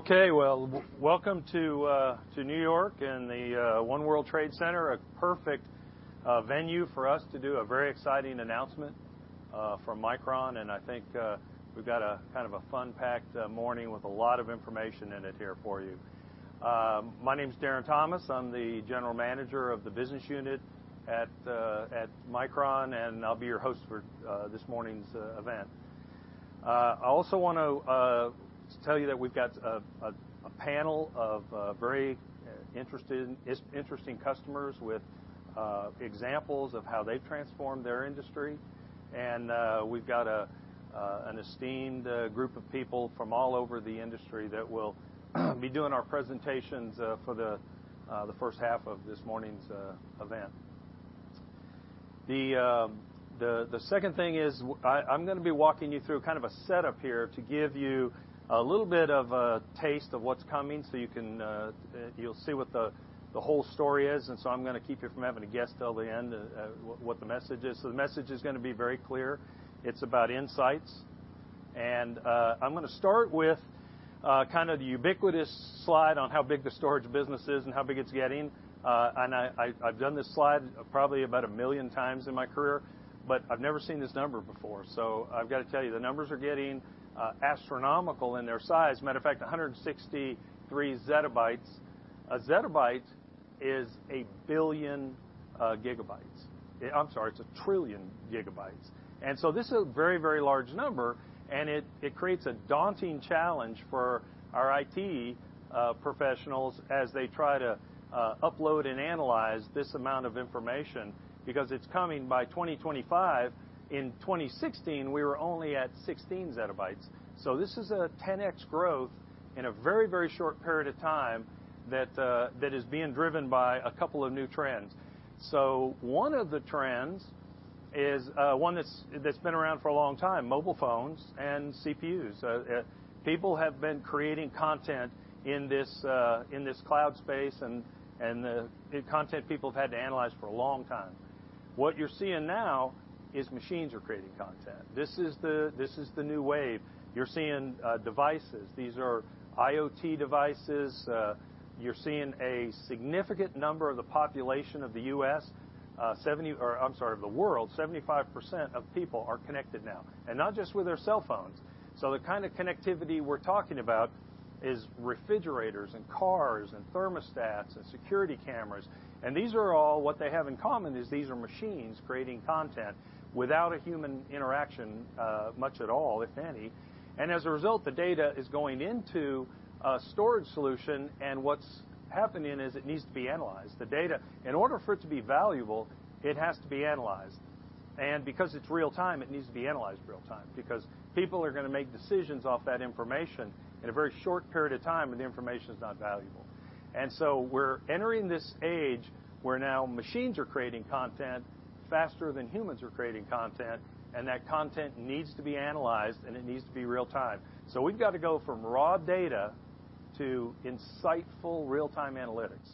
Well, welcome to New York and the One World Trade Center, a perfect venue for us to do a very exciting announcement from Micron. I think we've got a fun-packed morning with a lot of information in it here for you. My name's Darren Thomas. I'm the general manager of the business unit at Micron, and I'll be your host for this morning's event. I also want to tell you that we've got a panel of very interesting customers with examples of how they've transformed their industry, and we've got an esteemed group of people from all over the industry that will be doing our presentations for the first half of this morning's event. The second thing is I'm going to be walking you through a setup here to give you a little bit of a taste of what's coming so you'll see what the whole story is. I'm going to keep you from having to guess till the end what the message is. The message is going to be very clear. It's about insights. I'm going to start with the ubiquitous slide on how big the storage business is and how big it's getting. I've done this slide probably about a million times in my career, but I've never seen this number before. I've got to tell you, the numbers are getting astronomical in their size. Matter of fact, 163 zettabytes. A zettabyte is a billion gigabytes. I'm sorry, it's a trillion gigabytes. This is a very, very large number and it creates a daunting challenge for our IT professionals as they try to upload and analyze this amount of information because it's coming by 2025. In 2016, we were only at 16 zettabytes. This is a 10x growth in a very, very short period of time that is being driven by a couple of new trends. One of the trends is one that's been around for a long time, mobile phones and CPUs. People have been creating content in this cloud space and content people have had to analyze for a long time. What you're seeing now is machines are creating content. This is the new wave. You're seeing devices. These are IoT devices. You're seeing a significant number of the population of the world, 75% of people are connected now, and not just with their cell phones. The kind of connectivity we're talking about is refrigerators and cars and thermostats and security cameras. What they have in common is these are machines creating content without a human interaction much at all, if any. As a result, the data is going into a storage solution, and what's happening is it needs to be analyzed. The data, in order for it to be valuable, it has to be analyzed. Because it's real time, it needs to be analyzed real time because people are going to make decisions off that information in a very short period of time when the information's not valuable. We're entering this age where now machines are creating content faster than humans are creating content, and that content needs to be analyzed and it needs to be real time. We've got to go from raw data to insightful real-time analytics.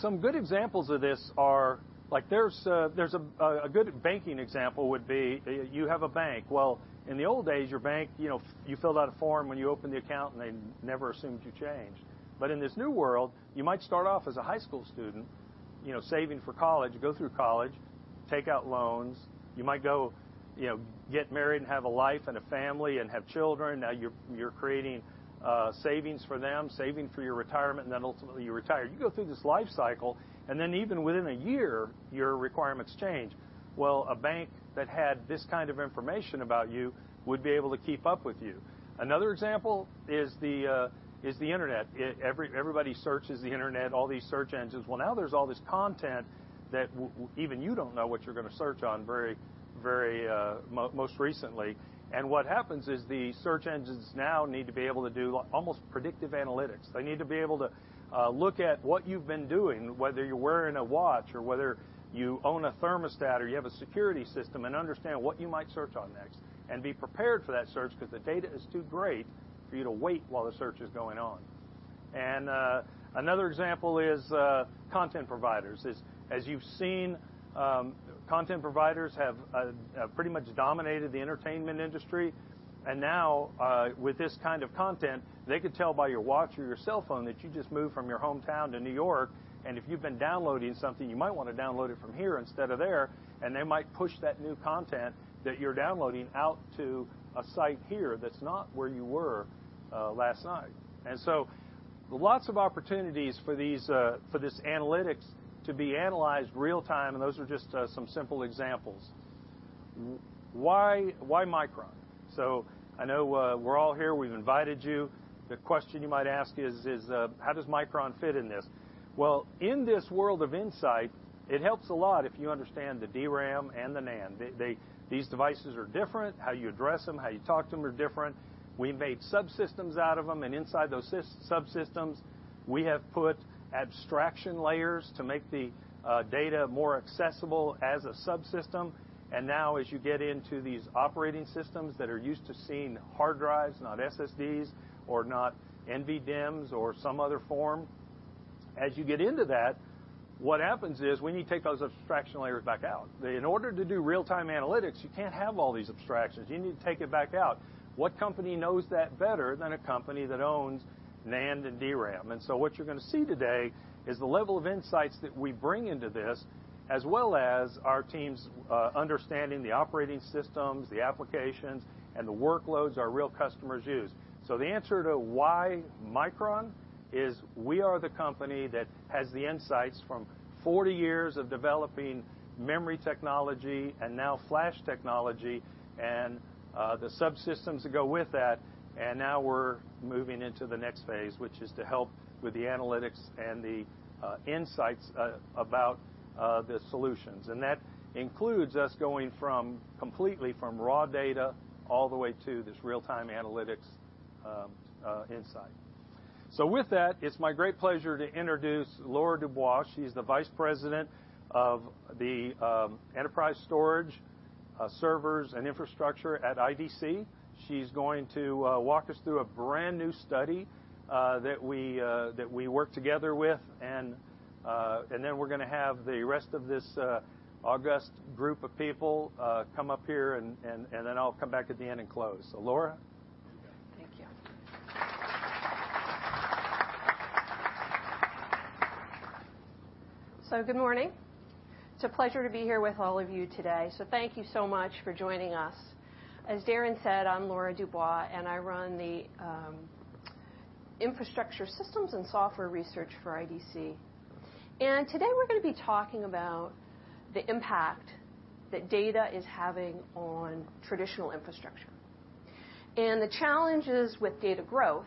Some good examples of this are like a good banking example would be you have a bank. Well, in the old days, your bank, you filled out a form when you opened the account, and they never assumed you changed. In this new world, you might start off as a high school student saving for college. You go through college, take out loans. You might go get married and have a life and a family and have children. Now you're creating savings for them, saving for your retirement, ultimately you retire. You go through this life cycle even within a year, your requirements change. A bank that had this kind of information about you would be able to keep up with you. Another example is the internet. Everybody searches the internet, all these search engines. Now there's all this content that even you don't know what you're going to search on most recently. What happens is the search engines now need to be able to do almost predictive analytics. They need to be able to look at what you've been doing, whether you're wearing a watch or whether you own a thermostat or you have a security system, and understand what you might search on next and be prepared for that search because the data is too great for you to wait while the search is going on. Another example is content providers. As you've seen, content providers have pretty much dominated the entertainment industry. Now, with this kind of content, they could tell by your watch or your cell phone that you just moved from your hometown to New York. If you've been downloading something, you might want to download it from here instead of there, and they might push that new content that you're downloading out to a site here that's not where you were last night. Lots of opportunities for this analytics to be analyzed real time, and those are just some simple examples. Why Micron? I know we're all here. We've invited you. The question you might ask is how does Micron fit in this? In this world of insight, it helps a lot if you understand the DRAM and the NAND. These devices are different. How you address them, how you talk to them are different. We've made subsystems out of them, and inside those subsystems, we have put abstraction layers to make the data more accessible as a subsystem. As you get into these operating systems that are used to seeing hard drives, not SSDs or not NVDIMMs or some other form As you get into that, what happens is when you take those abstraction layers back out. In order to do real-time analytics, you can't have all these abstractions. You need to take it back out. What company knows that better than a company that owns NAND and DRAM? What you're going to see today is the level of insights that we bring into this, as well as our teams understanding the operating systems, the applications, and the workloads our real customers use. The answer to why Micron is we are the company that has the insights from 40 years of developing memory technology and now flash technology and the subsystems that go with that. Now we're moving into the next phase, which is to help with the analytics and the insights about the solutions. That includes us going completely from raw data all the way to this real-time analytics insight. With that, it's my great pleasure to introduce Laura DuBois. She's the Vice President of the Enterprise Storage, Servers, and Infrastructure at IDC. She's going to walk us through a brand-new study that we work together with, and then we're going to have the rest of this august group of people come up here, and then I'll come back at the end and close. Laura. Thank you. Good morning. It's a pleasure to be here with all of you today. Thank you so much for joining us. As Darren said, I'm Laura DuBois, and I run the infrastructure systems and software research for IDC. Today we're going to be talking about the impact that data is having on traditional infrastructure and the challenges with data growth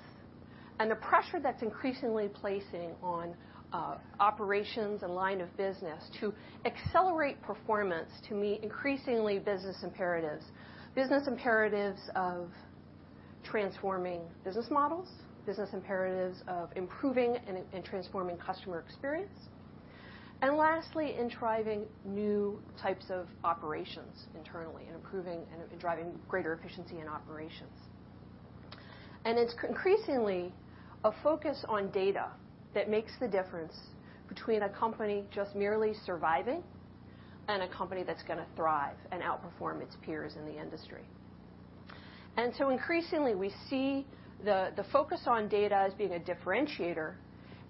and the pressure that's increasingly placing on operations and line of business to accelerate performance to meet increasingly business imperatives. Business imperatives of transforming business models, business imperatives of improving and transforming customer experience, and lastly, in driving new types of operations internally and improving and driving greater efficiency in operations. It's increasingly a focus on data that makes the difference between a company just merely surviving and a company that's going to thrive and outperform its peers in the industry. Increasingly we see the focus on data as being a differentiator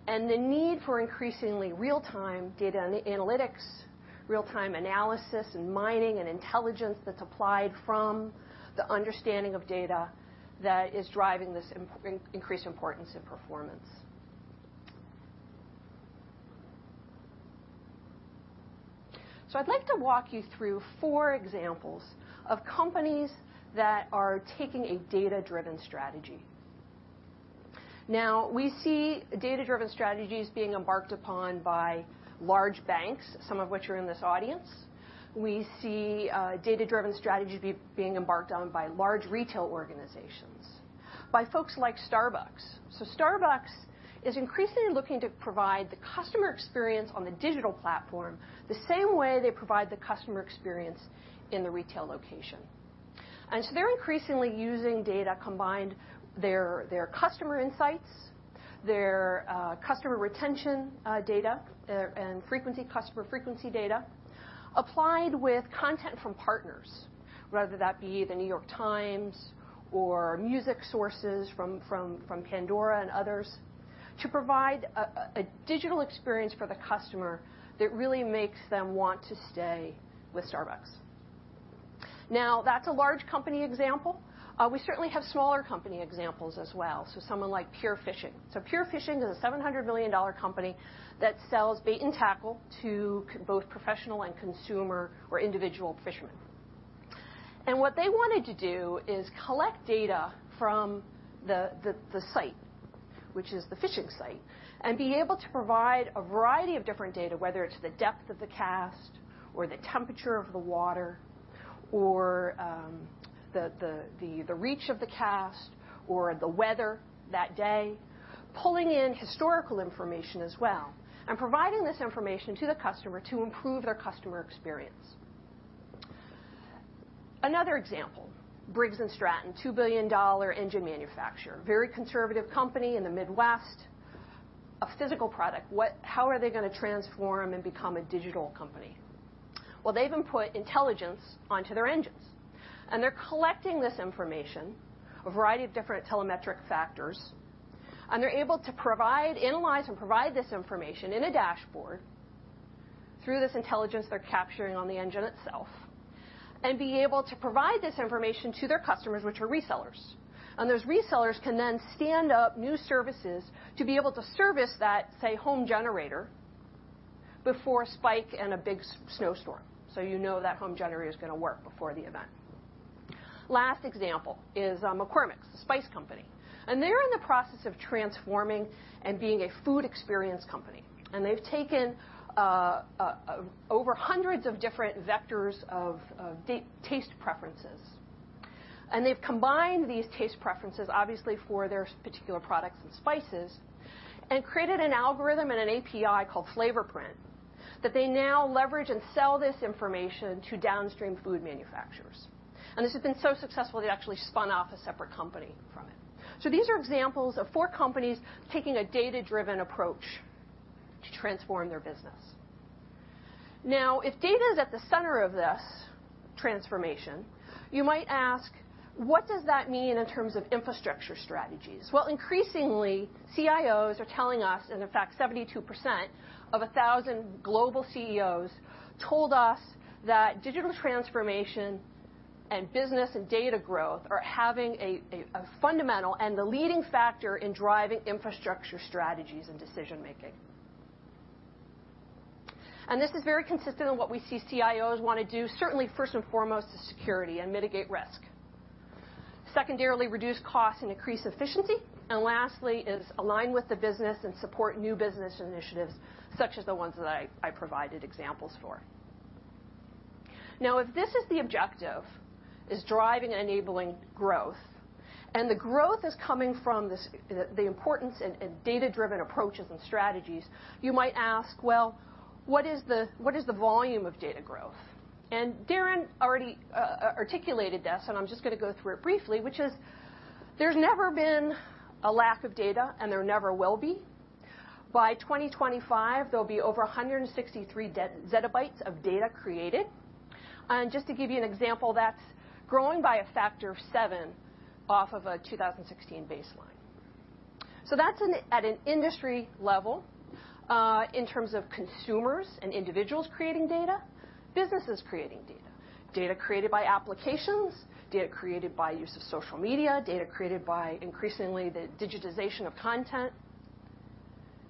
and the need for increasingly real-time data analytics, real-time analysis, and mining and intelligence that's applied from the understanding of data that is driving this increased importance in performance. I'd like to walk you through four examples of companies that are taking a data-driven strategy. We see data-driven strategies being embarked upon by large banks, some of which are in this audience. We see data-driven strategies being embarked on by large retail organizations, by folks like Starbucks. Starbucks is increasingly looking to provide the customer experience on the digital platform the same way they provide the customer experience in the retail location. They're increasingly using data combined, their customer insights, their customer retention data, and customer frequency data applied with content from partners, whether that be The New York Times or music sources from Pandora and others, to provide a digital experience for the customer that really makes them want to stay with Starbucks. That's a large company example. We certainly have smaller company examples as well. Someone like Pure Fishing. Pure Fishing is a $700 million company that sells bait and tackle to both professional and consumer or individual fishermen. What they wanted to do is collect data from the site, which is the fishing site, and be able to provide a variety of different data, whether it's the depth of the cast or the temperature of the water or the reach of the cast or the weather that day, pulling in historical information as well and providing this information to the customer to improve their customer experience. Another example, Briggs & Stratton, a $2 billion engine manufacturer, very conservative company in the Midwest, a physical product. How are they going to transform and become a digital company? Well, they've input intelligence onto their engines, and they're collecting this information, a variety of different telemetric factors, and they're able to analyze and provide this information in a dashboard through this intelligence they're capturing on the engine itself and be able to provide this information to their customers, which are resellers. Those resellers can then stand up new services to be able to service that, say, home generator before a spike and a big snowstorm. You know that home generator is going to work before the event. Last example is McCormick, the spice company. They're in the process of transforming and being a food experience company. They've taken over hundreds of different vectors of taste preferences, and they've combined these taste preferences, obviously for their particular products and spices, and created an algorithm and an API called FlavorPrint. That they now leverage and sell this information to downstream food manufacturers. This has been so successful, they actually spun off a separate company from it. These are examples of four companies taking a data-driven approach to transform their business. Now, if data is at the center of this transformation, you might ask, what does that mean in terms of infrastructure strategies? Well, increasingly, CIOs are telling us, in fact, 72% of 1,000 global CEOs told us that digital transformation and business and data growth are having a fundamental and the leading factor in driving infrastructure strategies and decision-making. This is very consistent in what we see CIOs want to do, certainly first and foremost, is security and mitigate risk. Secondarily, reduce cost and increase efficiency, and lastly is align with the business and support new business initiatives, such as the ones that I provided examples for. Now, if this is the objective, is driving and enabling growth, and the growth is coming from the importance in data-driven approaches and strategies, you might ask, well, what is the volume of data growth? Darren already articulated this, and I'm just going to go through it briefly, which is, there's never been a lack of data, and there never will be. By 2025, there'll be over 163 zettabytes of data created. Just to give you an example, that's growing by a factor of seven off of a 2016 baseline. That's at an industry level, in terms of consumers and individuals creating data, businesses creating data created by applications, data created by use of social media, data created by increasingly the digitization of content,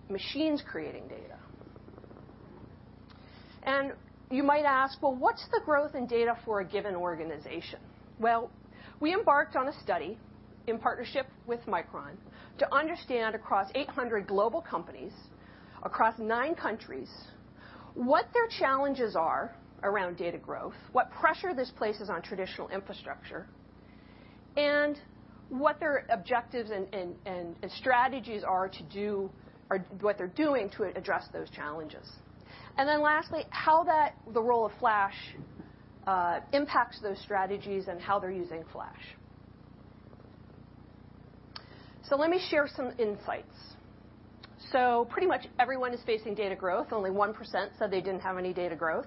machines creating data. You might ask, well, what's the growth in data for a given organization? Well, we embarked on a study in partnership with Micron to understand across 800 global companies, across nine countries, what their challenges are around data growth, what pressure this places on traditional infrastructure, and what their objectives and strategies are to do, or what they're doing to address those challenges. Lastly, how that the role of flash impacts those strategies and how they're using flash. Let me share some insights. Pretty much everyone is facing data growth. Only 1% said they didn't have any data growth.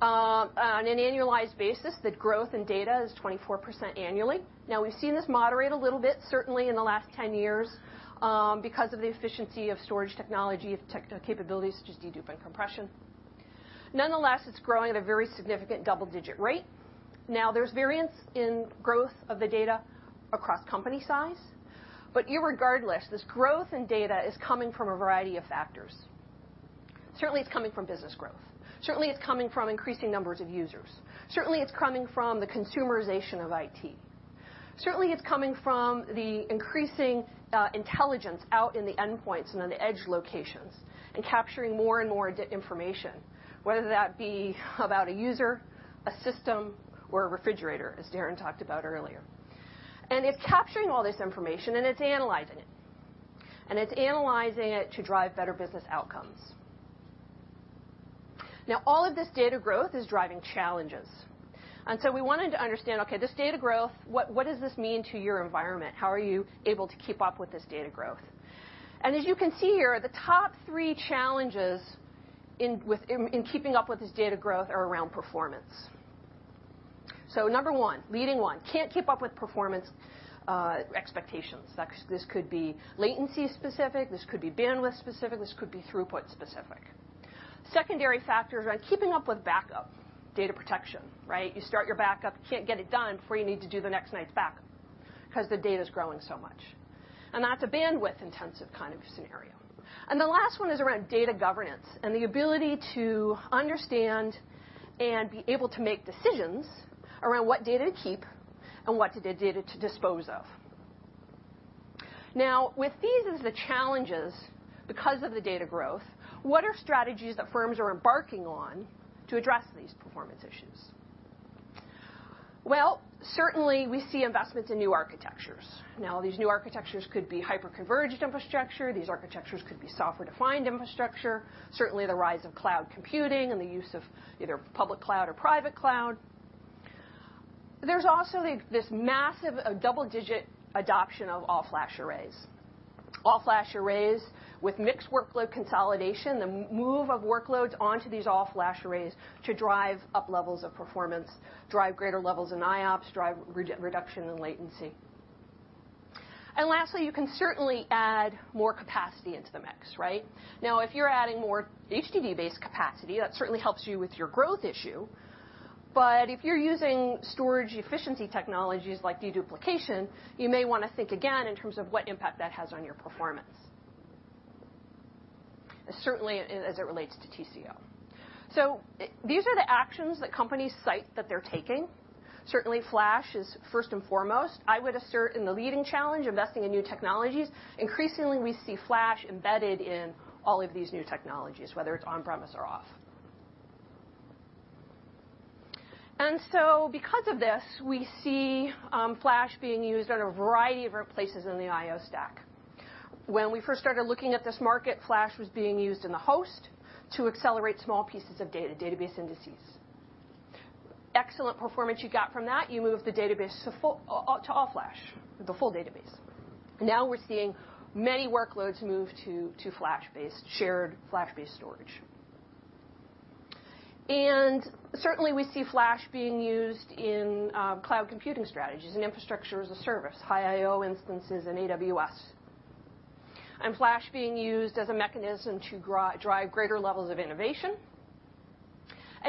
On an annualized basis, the growth in data is 24% annually. Now we've seen this moderate a little bit, certainly in the last 10 years, because of the efficiency of storage technology, of technical capabilities such as deduping compression. Nonetheless, it's growing at a very significant double-digit rate. There's variance in growth of the data across company size, but irregardless, this growth in data is coming from a variety of factors. Certainly, it's coming from business growth. Certainly, it's coming from increasing numbers of users. Certainly, it's coming from the consumerization of IT. Certainly, it's coming from the increasing intelligence out in the endpoints and in the edge locations and capturing more and more data information, whether that be about a user, a system, or a refrigerator, as Darren talked about earlier. It's capturing all this information and it's analyzing it. It's analyzing it to drive better business outcomes. All of this data growth is driving challenges. We wanted to understand, okay, this data growth, what does this mean to your environment? How are you able to keep up with this data growth? As you can see here, the top three challenges in keeping up with this data growth are around performance. Number one, leading one, can't keep up with performance expectations. This could be latency-specific, this could be bandwidth-specific, this could be throughput-specific. Secondary factors around keeping up with backup, data protection, right? You start your backup, can't get it done before you need to do the next night's backup because the data's growing so much. That's a bandwidth-intensive kind of scenario. The last one is around data governance and the ability to understand and be able to make decisions around what data to keep and what data to dispose of. With these as the challenges because of the data growth, what are strategies that firms are embarking on to address these performance issues? Well, certainly we see investments in new architectures. These new architectures could be hyper-converged infrastructure. These architectures could be software-defined infrastructure, certainly the rise of cloud computing and the use of either public cloud or private cloud. There's also this massive double-digit adoption of all-flash arrays. All-flash arrays with mixed workload consolidation, the move of workloads onto these all-flash arrays to drive up levels of performance, drive greater levels in IOPS, drive reduction in latency. Lastly, you can certainly add more capacity into the mix, right? If you're adding more HDD-based capacity, that certainly helps you with your growth issue. But if you're using storage efficiency technologies like deduplication, you may want to think again in terms of what impact that has on your performance, certainly as it relates to TCO. These are the actions that companies cite that they're taking. Certainly, flash is first and foremost, I would assert in the leading challenge, investing in new technologies. Increasingly, we see flash embedded in all of these new technologies, whether it's on-premise or off. Because of this, we see flash being used in a variety of different places in the I/O stack. When we first started looking at this market, flash was being used in the host to accelerate small pieces of data, database indices. Excellent performance you got from that, you move the database to all flash, the full database. Now we're seeing many workloads move to shared flash-based storage. Certainly, we see flash being used in cloud computing strategies and infrastructure-as-a-service, high I/O instances in AWS, and flash being used as a mechanism to drive greater levels of innovation.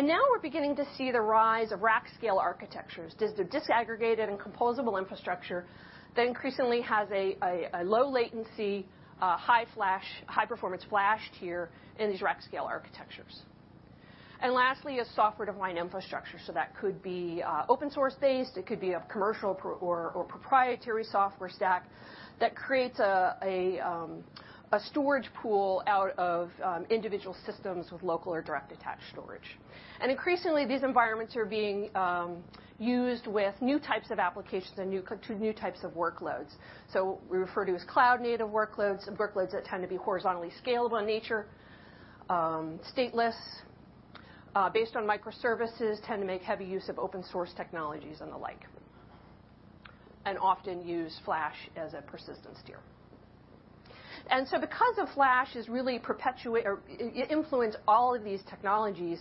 Now we're beginning to see the rise of rack scale architectures. The disaggregated and composable infrastructure that increasingly has a low latency, high-performance flash tier in these rack scale architectures. Lastly, a software-defined infrastructure. That could be open-source based, it could be a commercial or proprietary software stack that creates a storage pool out of individual systems with local or direct-attached storage. Increasingly, these environments are being used with new types of applications and to new types of workloads. We refer to as cloud-native workloads that tend to be horizontally scalable in nature, stateless, based on microservices, tend to make heavy use of open-source technologies and the like, and often use flash as a persistence tier. Because of flash is really perpetuate or influence all of these technologies,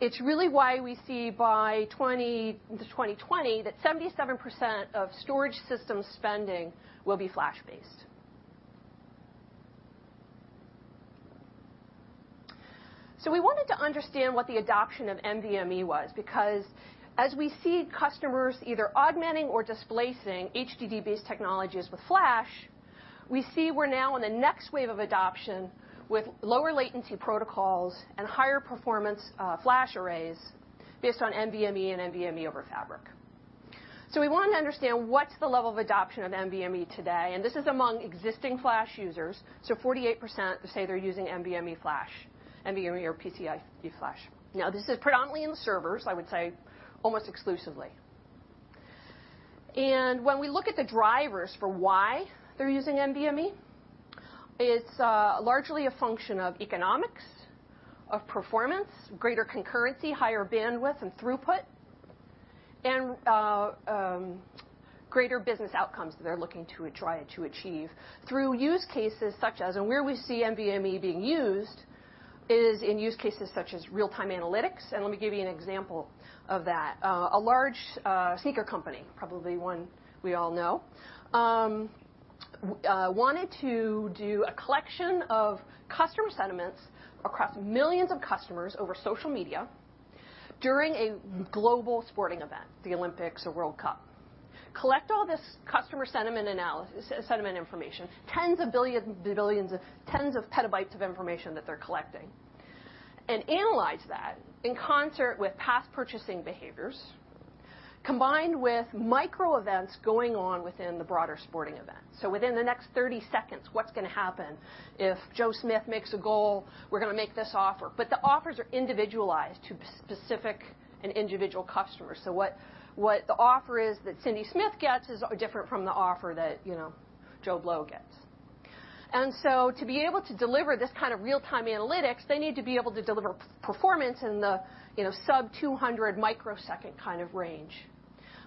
it's really why we see by 2020 that 77% of storage system spending will be flash-based. We wanted to understand what the adoption of NVMe was because as we see customers either augmenting or displacing HDD-based technologies with flash, we see we're now in the next wave of adoption with lower latency protocols and higher performance flash arrays based on NVMe and NVMe over Fabric. We wanted to understand what's the level of adoption of NVMe today, and this is among existing flash users. 48% say they're using NVMe flash, NVMe or PCIe flash. This is predominantly in the servers, I would say almost exclusively. When we look at the drivers for why they're using NVMe, it's largely a function of economics, of performance, greater concurrency, higher bandwidth and throughput, and greater business outcomes that they're looking to try to achieve through use cases such as real-time analytics. Let me give you an example of that. A large sneaker company, probably one we all know, wanted to do a collection of customer sentiments across millions of customers over social media during a global sporting event, the Olympics or World Cup. Collect all this customer sentiment information, tens of petabytes of information that they're collecting, and analyze that in concert with past purchasing behaviors, combined with micro events going on within the broader sporting event. Within the next 30 seconds, what's going to happen if Joe Smith makes a goal, we're going to make this offer. The offers are individualized to specific and individual customers. What the offer is that Cindy Smith gets is different from the offer that Joe Blow gets. To be able to deliver this kind of real-time analytics, they need to be able to deliver performance in the sub-200 microsecond range.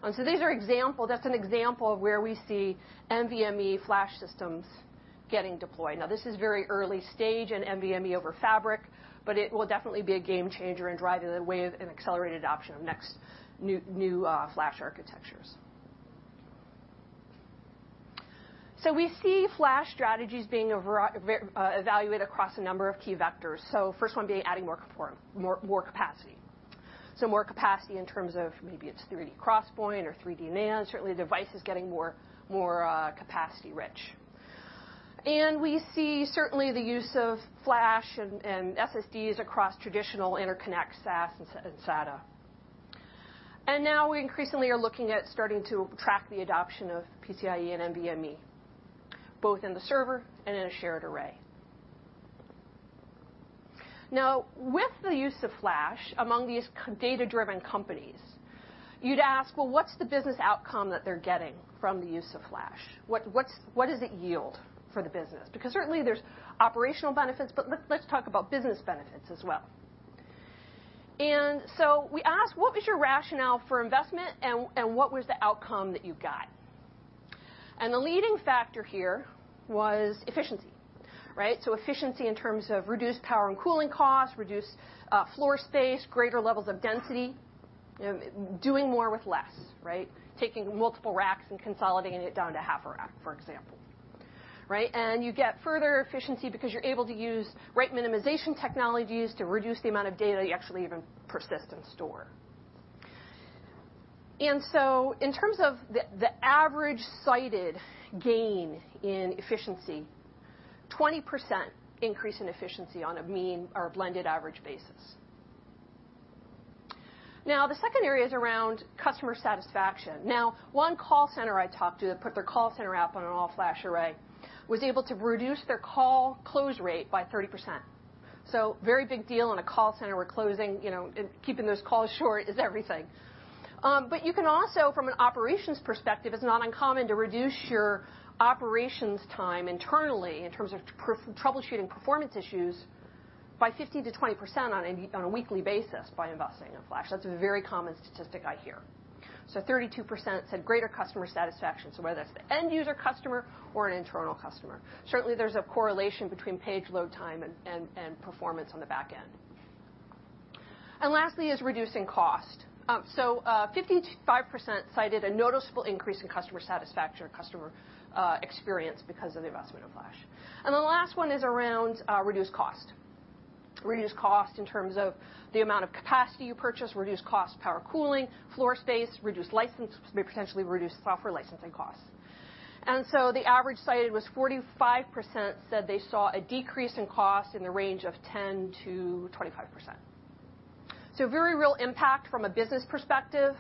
That's an example of where we see NVMe flash systems getting deployed. This is very early stage in NVMe over Fabrics, it will definitely be a game changer and drive the wave and accelerated adoption of next new flash architectures. We see flash strategies being evaluated across a number of key vectors. First one being adding more capacity. More capacity in terms of maybe it's 3D XPoint or 3D NAND, certainly devices getting more capacity rich. We see certainly the use of flash and SSDs across traditional interconnects, SAS and SATA. Now we increasingly are looking at starting to track the adoption of PCIe and NVMe, both in the server and in a shared array. With the use of flash among these data-driven companies, you'd ask, "Well, what's the business outcome that they're getting from the use of flash? What does it yield for the business?" Certainly there's operational benefits, let's talk about business benefits as well. We ask, what was your rationale for investment and what was the outcome that you got? The leading factor here was efficiency. Right? Efficiency in terms of reduced power and cooling costs, reduced floor space, greater levels of density, doing more with less, right? Taking multiple racks and consolidating it down to half a rack, for example. Right? You get further efficiency because you're able to use write minimization technologies to reduce the amount of data you actually even persist and store. In terms of the average cited gain in efficiency, 20% increase in efficiency on a mean or blended average basis. The second area is around Customer satisfaction. One call center I talked to that put their call center app on an all-flash array was able to reduce their call close rate by 30%. A very big deal in a call center where closing and keeping those calls short is everything. You can also, from an operations perspective, it's not uncommon to reduce your operations time internally in terms of troubleshooting performance issues by 15%-20% on a weekly basis by investing in flash. That's a very common statistic I hear. 32% said greater customer satisfaction. Whether that's the end-user customer or an internal customer. Certainly there's a correlation between page load time and performance on the back end. Lastly is reducing cost. 55% cited a noticeable increase in customer satisfaction or customer experience because of the investment of flash. The last one is around reduced cost. Reduced cost in terms of the amount of capacity you purchase, reduced cost of power cooling, floor space, reduced license, may potentially reduce software licensing costs. The average cited was 45% said they saw a decrease in cost in the range of 10%-25%. A very real impact from a business perspective,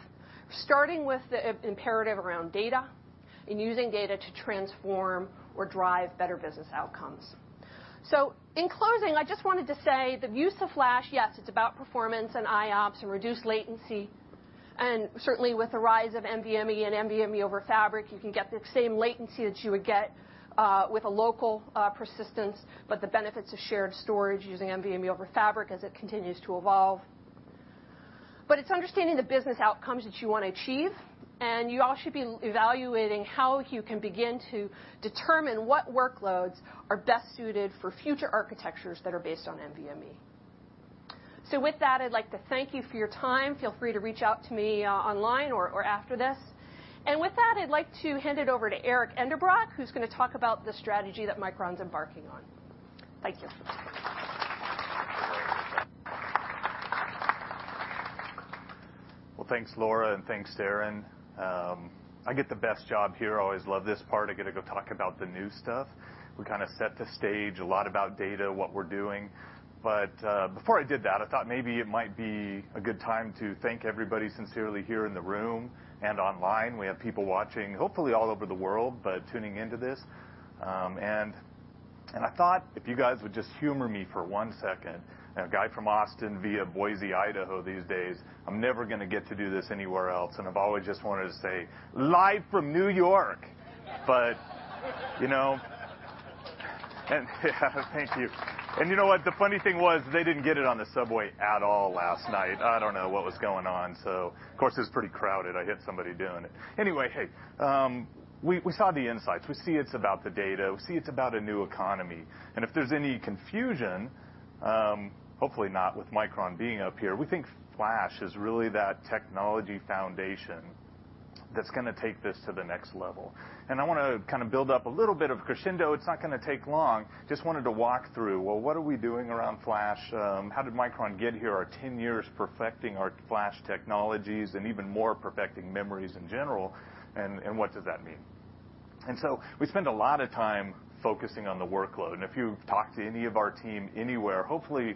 starting with the imperative around data and using data to transform or drive better business outcomes. In closing, I just wanted to say the use of flash, yes, it's about performance and IOPS and reduced latency, certainly with the rise of NVMe and NVMe over Fabrics, you can get the same latency that you would get with a local persistence, but the benefits of shared storage using NVMe over Fabrics as it continues to evolve. It's understanding the business outcomes that you want to achieve, and you all should be evaluating how you can begin to determine what workloads are best suited for future architectures that are based on NVMe. With that, I'd like to thank you for your time. Feel free to reach out to me online or after this. With that, I'd like to hand it over to Eric Endebrock, who's going to talk about the strategy that Micron's embarking on. Thank you. Thanks, Laura, and thanks, Darren. I get the best job here. I always love this part. I get to go talk about the new stuff. We set the stage, a lot about data, what we're doing. Before I did that, I thought maybe it might be a good time to thank everybody sincerely here in the room and online. We have people watching, hopefully all over the world, tuning into this. I thought if you guys would just humor me for one second, a guy from Austin via Boise, Idaho, these days, I'm never going to get to do this anywhere else, and I've always just wanted to say, "Live from New York." You know. Yeah. Thank you. You know what? The funny thing was, they didn't get it on the subway at all last night. I don't know what was going on. Of course, it was pretty crowded. I hit somebody doing it. Anyway, hey. We saw the insights. We see it's about the data. We see it's about a new economy. If there's any confusion, hopefully not with Micron being up here, we think flash is really that technology foundation that's going to take this to the next level. I want to build up a little bit of crescendo. It's not going to take long. Just wanted to walk through, well, what are we doing around flash? How did Micron get here? Our 10 years perfecting our flash technologies and even more perfecting memories in general, and what does that mean? We spend a lot of time focusing on the workload. If you've talked to any of our team anywhere, hopefully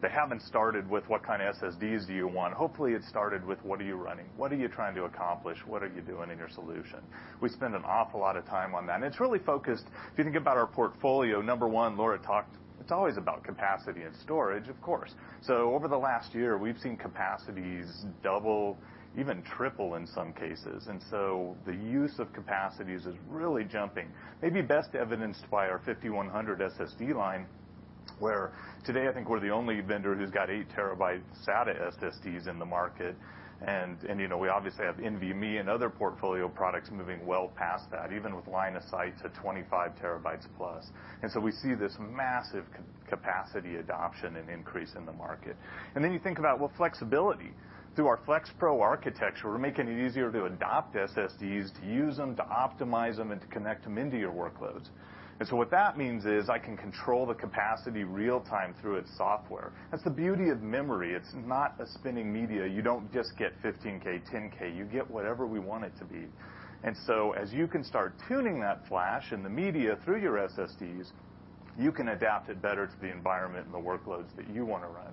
they haven't started with, "What kind of SSDs do you want?" Hopefully, it started with, "What are you running? What are you trying to accomplish? What are you doing in your solution?" We spend an awful lot of time on that, and it's really focused. If you think about our portfolio, number 1, Laura talked, it's always about capacity and storage, of course. Over the last year, we've seen capacities double, even triple in some cases. The use of capacities is really jumping. Maybe best evidenced by our 5100 SSD line, where today I think we're the only vendor who's got eight terabyte SATA SSDs in the market. We obviously have NVMe and other portfolio products moving well past that, even with line of sight to 25 terabytes plus. We see this massive capacity adoption and increase in the market. You think about, well, flexibility. Through our FlexPro architecture, we're making it easier to adopt SSDs, to use them, to optimize them, and to connect them into your workloads. What that means is I can control the capacity real-time through its software. That's the beauty of memory. It's not a spinning media. You don't just get 15K, 10K. You get whatever we want it to be. As you can start tuning that flash and the media through your SSDs, you can adapt it better to the environment and the workloads that you want to run.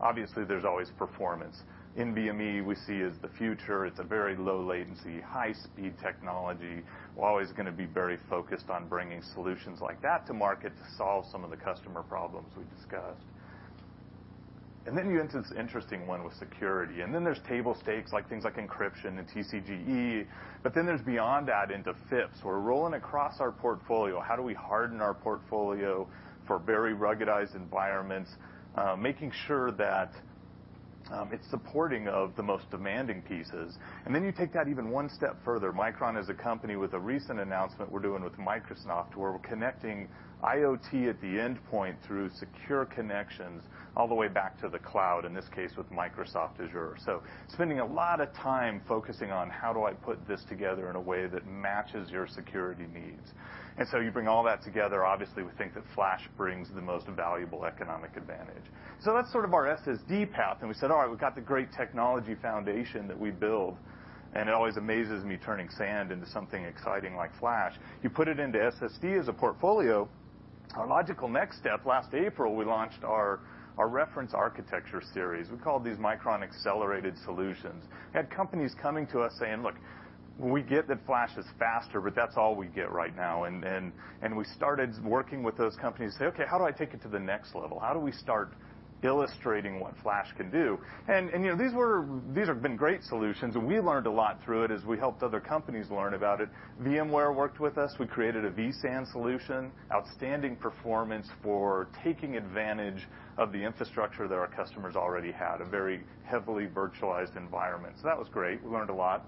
Obviously, there's always performance. NVMe we see as the future. It's a very low latency, high speed technology. We're always going to be very focused on bringing solutions like that to market to solve some of the customer problems we've discussed. You get into this interesting one with security. There's table stakes, things like encryption and TCG. There's beyond that into FIPS. We're rolling across our portfolio. How do we harden our portfolio for very ruggedized environments? Making sure that it's supporting of the most demanding pieces. You take that even one step further. Micron is a company with a recent announcement we're doing with Microsoft, where we're connecting IoT at the endpoint through secure connections all the way back to the cloud, in this case with Microsoft Azure. Spending a lot of time focusing on: how do I put this together in a way that matches your security needs? You bring all that together. Obviously, we think that flash brings the most valuable economic advantage. That's sort of our SSD path, and we said, all right, we've got the great technology foundation that we build. It always amazes me, turning sand into something exciting like flash. You put it into SSD as a portfolio. Our logical next step, last April, we launched our reference architecture series. We called these Micron Accelerated Solutions. We had companies coming to us saying, "Look, we get that flash is faster, but that's all we get right now." We started working with those companies to say, "Okay, how do I take it to the next level? How do we start illustrating what flash can do?" These have been great solutions, and we learned a lot through it as we helped other companies learn about it. VMware worked with us. We created a vSAN solution, outstanding performance for taking advantage of the infrastructure that our customers already had, a very heavily virtualized environment. That was great. We learned a lot.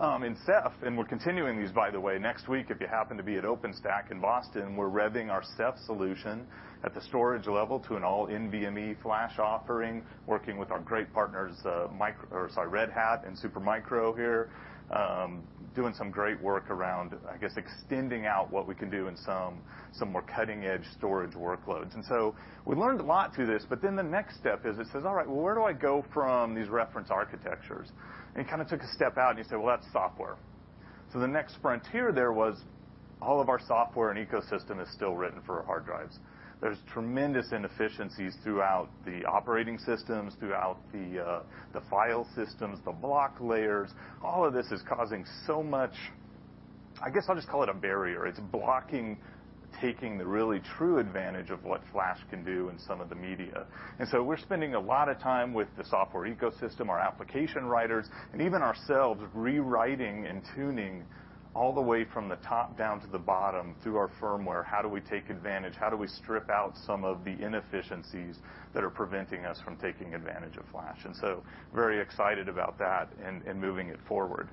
In Ceph, and we're continuing these, by the way. Next week, if you happen to be at OpenStack in Boston, we're revving our Ceph solution at the storage level to an all NVMe flash offering, working with our great partners, Red Hat and Supermicro here, doing some great work around, I guess, extending out what we can do in some more cutting-edge storage workloads. We learned a lot through this, the next step is it says, all right, well, where do I go from these reference architectures? You took a step out and you say, "Well, that's software." The next frontier there was all of our software and ecosystem is still written for hard drives. There's tremendous inefficiencies throughout the operating systems, throughout the file systems, the block layers. All of this is causing so much, I guess I'll just call it a barrier. It's blocking taking the really true advantage of what flash can do in some of the media. We're spending a lot of time with the software ecosystem, our application writers, and even ourselves, rewriting and tuning all the way from the top down to the bottom through our firmware. How do we take advantage? How do we strip out some of the inefficiencies that are preventing us from taking advantage of flash? Very excited about that and moving it forward.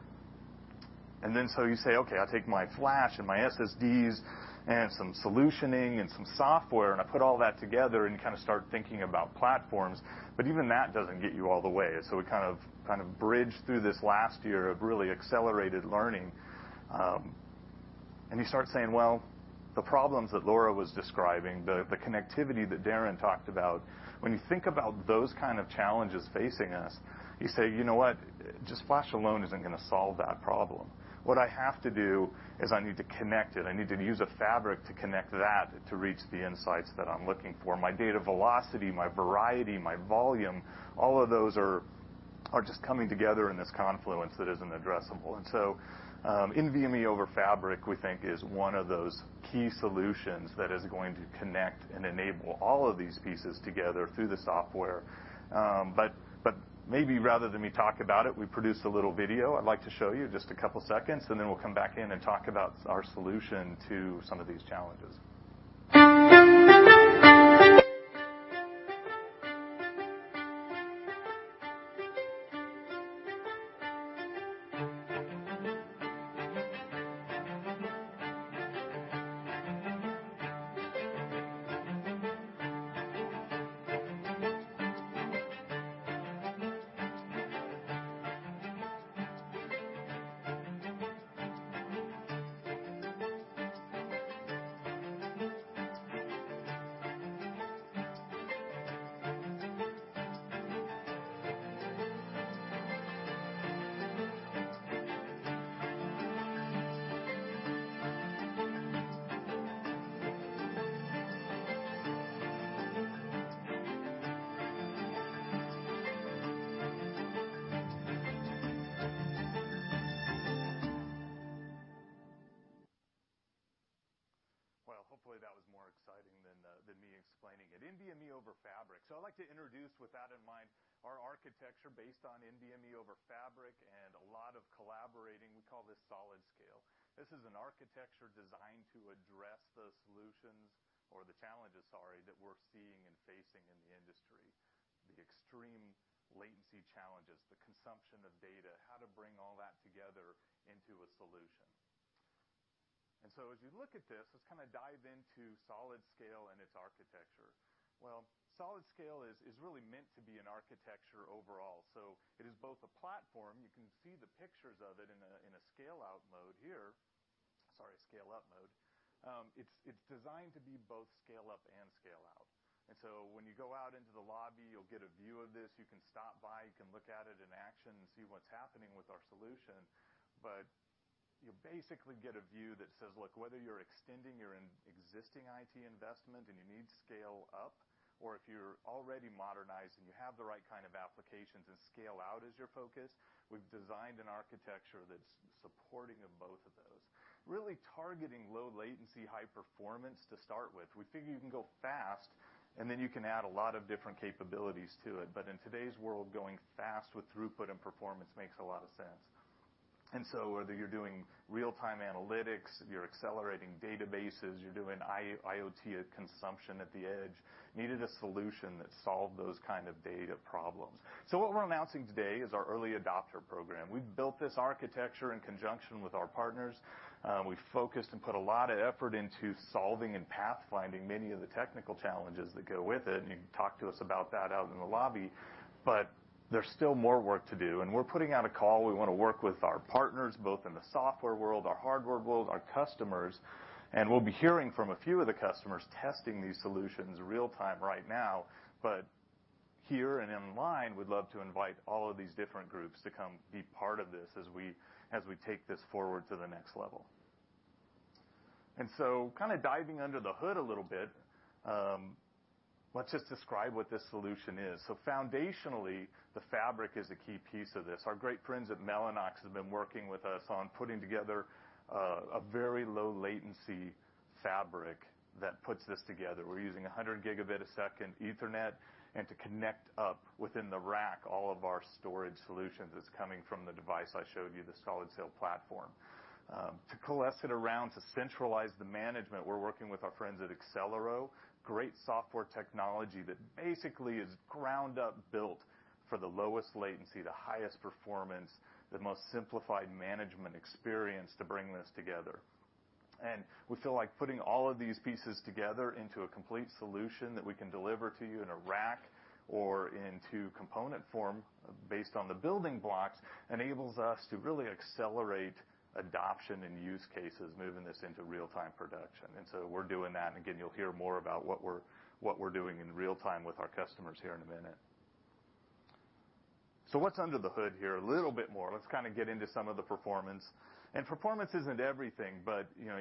You say, "Okay, I'll take my flash and my SSDs and some solutioning and some software, and I put all that together" and start thinking about platforms. Even that doesn't get you all the way. We bridged through this last year of really accelerated learning, and you start saying, well, the problems that Laura was describing, the connectivity that Darren talked about, when you think about those kind of challenges facing us, you say, you know what? Just flash alone isn't going to solve that problem. What I have to do is I need to connect it. I need to use a fabric to connect that to reach the insights that I'm looking for. My data velocity, my variety, my volume, all of those are just coming together in this confluence that isn't addressable. NVMe over Fabric, we think, is one of those key solutions that is going to connect and enable all of these pieces together through the software. Maybe rather than me talk about it, we produced a little video I'd like to show you, just a couple seconds, and then we'll come back in and talk about our solution to some of these challenges. Well, hopefully, that was more exciting than me explaining it. NVMe over Fabric. I'd like to introduce, with that in mind, our architecture based on NVMe over Fabric and a lot of collaborating. We call this SolidScale. This is an architecture designed to address the solutions or the challenges, sorry, that we're seeing and facing in the industry. The extreme latency challenges, the consumption of data, how to bring all that together into a solution. As you look at this, let's dive into SolidScale and its architecture. SolidScale is really meant to be an architecture overall. It is both a platform, you can see the pictures of it in a scale out mode here. Sorry, scale up mode. It's designed to be both scale up and scale out. When you go out into the lobby, you'll get a view of this. You can stop by, you can look at it in action, and see what's happening with our solution. You'll basically get a view that says, look, whether you're extending your existing IT investment and you need to scale up, or if you're already modernized and you have the right kind of applications and scale out is your focus, we've designed an architecture that's supporting of both of those. Really targeting low latency, high performance to start with. We figure you can go fast, and then you can add a lot of different capabilities to it. In today's world, going fast with throughput and performance makes a lot of sense. Whether you're doing real-time analytics, you're accelerating databases, you're doing IoT consumption at the edge, needed a solution that solved those kind of data problems. What we're announcing today is our early adopter program. We've built this architecture in conjunction with our partners. We focused and put a lot of effort into solving and pathfinding many of the technical challenges that go with it, and you can talk to us about that out in the lobby. There's still more work to do, and we're putting out a call. We want to work with our partners, both in the software world, our hardware world, our customers, and we'll be hearing from a few of the customers testing these solutions real-time right now. Here and online, we'd love to invite all of these different groups to come be part of this as we take this forward to the next level. Diving under the hood a little bit, let's just describe what this solution is. Foundationally, the fabric is a key piece of this. Our great friends at Mellanox have been working with us on putting together a very low latency fabric that puts this together. We're using 100 gigabit a second Ethernet, and to connect up within the rack, all of our storage solutions is coming from the device I showed you, the SolidScale platform. To coalesce it around, to centralize the management, we're working with our friends at Excelero. Great software technology that basically is ground up built for the lowest latency, the highest performance, the most simplified management experience to bring this together. We feel like putting all of these pieces together into a complete solution that we can deliver to you in a rack or into component form based on the building blocks, enables us to really accelerate adoption and use cases, moving this into real-time production. We're doing that. Again, you'll hear more about what we're doing in real-time with our customers here in a minute. What's under the hood here? A little bit more. Let's get into some of the performance. Performance isn't everything, but you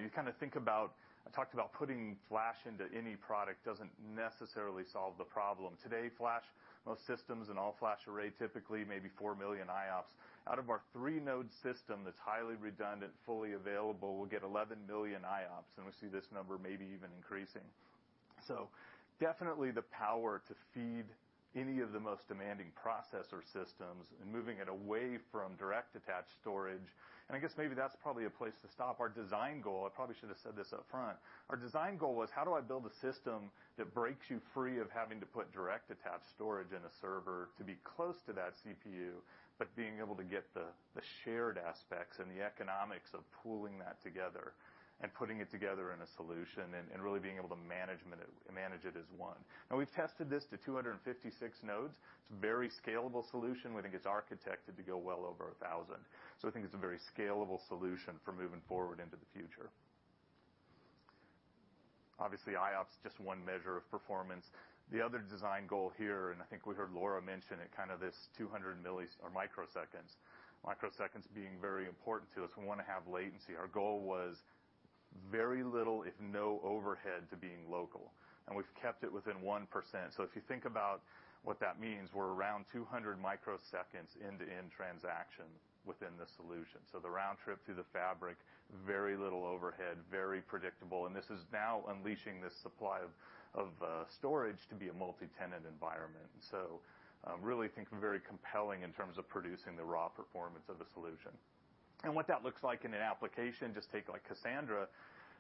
think about, I talked about putting flash into any product doesn't necessarily solve the problem. Today, flash, most systems, an all-flash array, typically maybe 4 million IOPS. Out of our three-node system that's highly redundant, fully available, we'll get 11 million IOPS, and we see this number maybe even increasing. Definitely the power to feed any of the most demanding processor systems and moving it away from direct attached storage. I guess maybe that's probably a place to stop. Our design goal, I probably should have said this up front. Our design goal was how do I build a system that breaks you free of having to put direct attached storage in a server to be close to that CPU, but being able to get the shared aspects and the economics of pooling that together and putting it together in a solution and really being able to manage it as one. We've tested this to 256 nodes. It's a very scalable solution. We think it's architected to go well over 1,000. I think it's a very scalable solution for moving forward into the future. Obviously, IOPS, just one measure of performance. The other design goal here, and I think we heard Laura mention it, this 200 microseconds. Microseconds being very important to us. We want to have latency. Our goal was very little, if no overhead to being local, and we've kept it within 1%. If you think about what that means, we're around 200 microseconds end-to-end transaction within the solution. The round trip through the fabric, very little overhead, very predictable. This is now unleashing this supply of storage to be a multi-tenant environment. Really think we're very compelling in terms of producing the raw performance of the solution. What that looks like in an application, just take like Cassandra,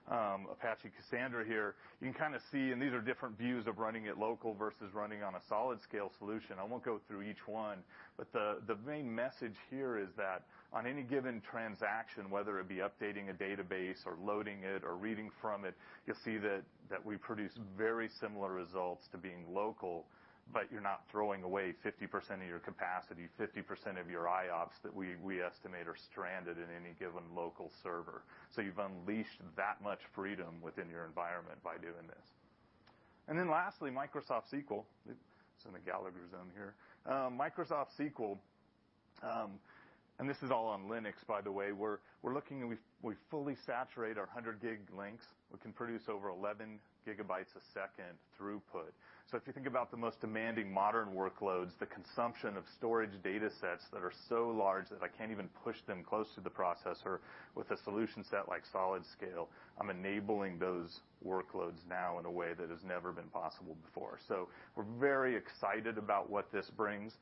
Apache Cassandra here, you can see, and these are different views of running it local versus running on a SolidScale solution. I won't go through each one, but the main message here is that on any given transaction, whether it be updating a database or loading it or reading from it, you'll see that we produce very similar results to being local, but you're not throwing away 50% of your capacity, 50% of your IOPS that we estimate are stranded in any given local server. You've unleashed that much freedom within your environment by doing this. Lastly, Microsoft SQL. This is in the Gallagher zone here. Microsoft SQL, and this is all on Linux by the way, we're looking and we fully saturate our 100 gig links. We can produce over 11 gigabytes a second throughput. If you think about the most demanding modern workloads, the consumption of storage data sets that are so large that I can't even push them close to the processor with a solution set like SolidScale, I'm enabling those workloads now in a way that has never been possible before. We're very excited about what this brings.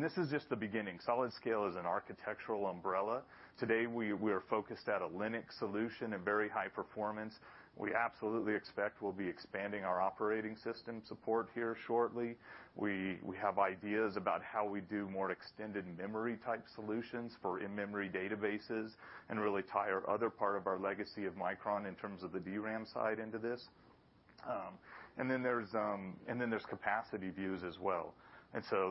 This is just the beginning. SolidScale is an architectural umbrella. Today, we are focused at a Linux solution and very high performance. We absolutely expect we'll be expanding our operating system support here shortly. We have ideas about how we do more extended memory type solutions for in-memory databases and really tie our other part of our legacy of Micron in terms of the DRAM side into this. There's capacity views as well.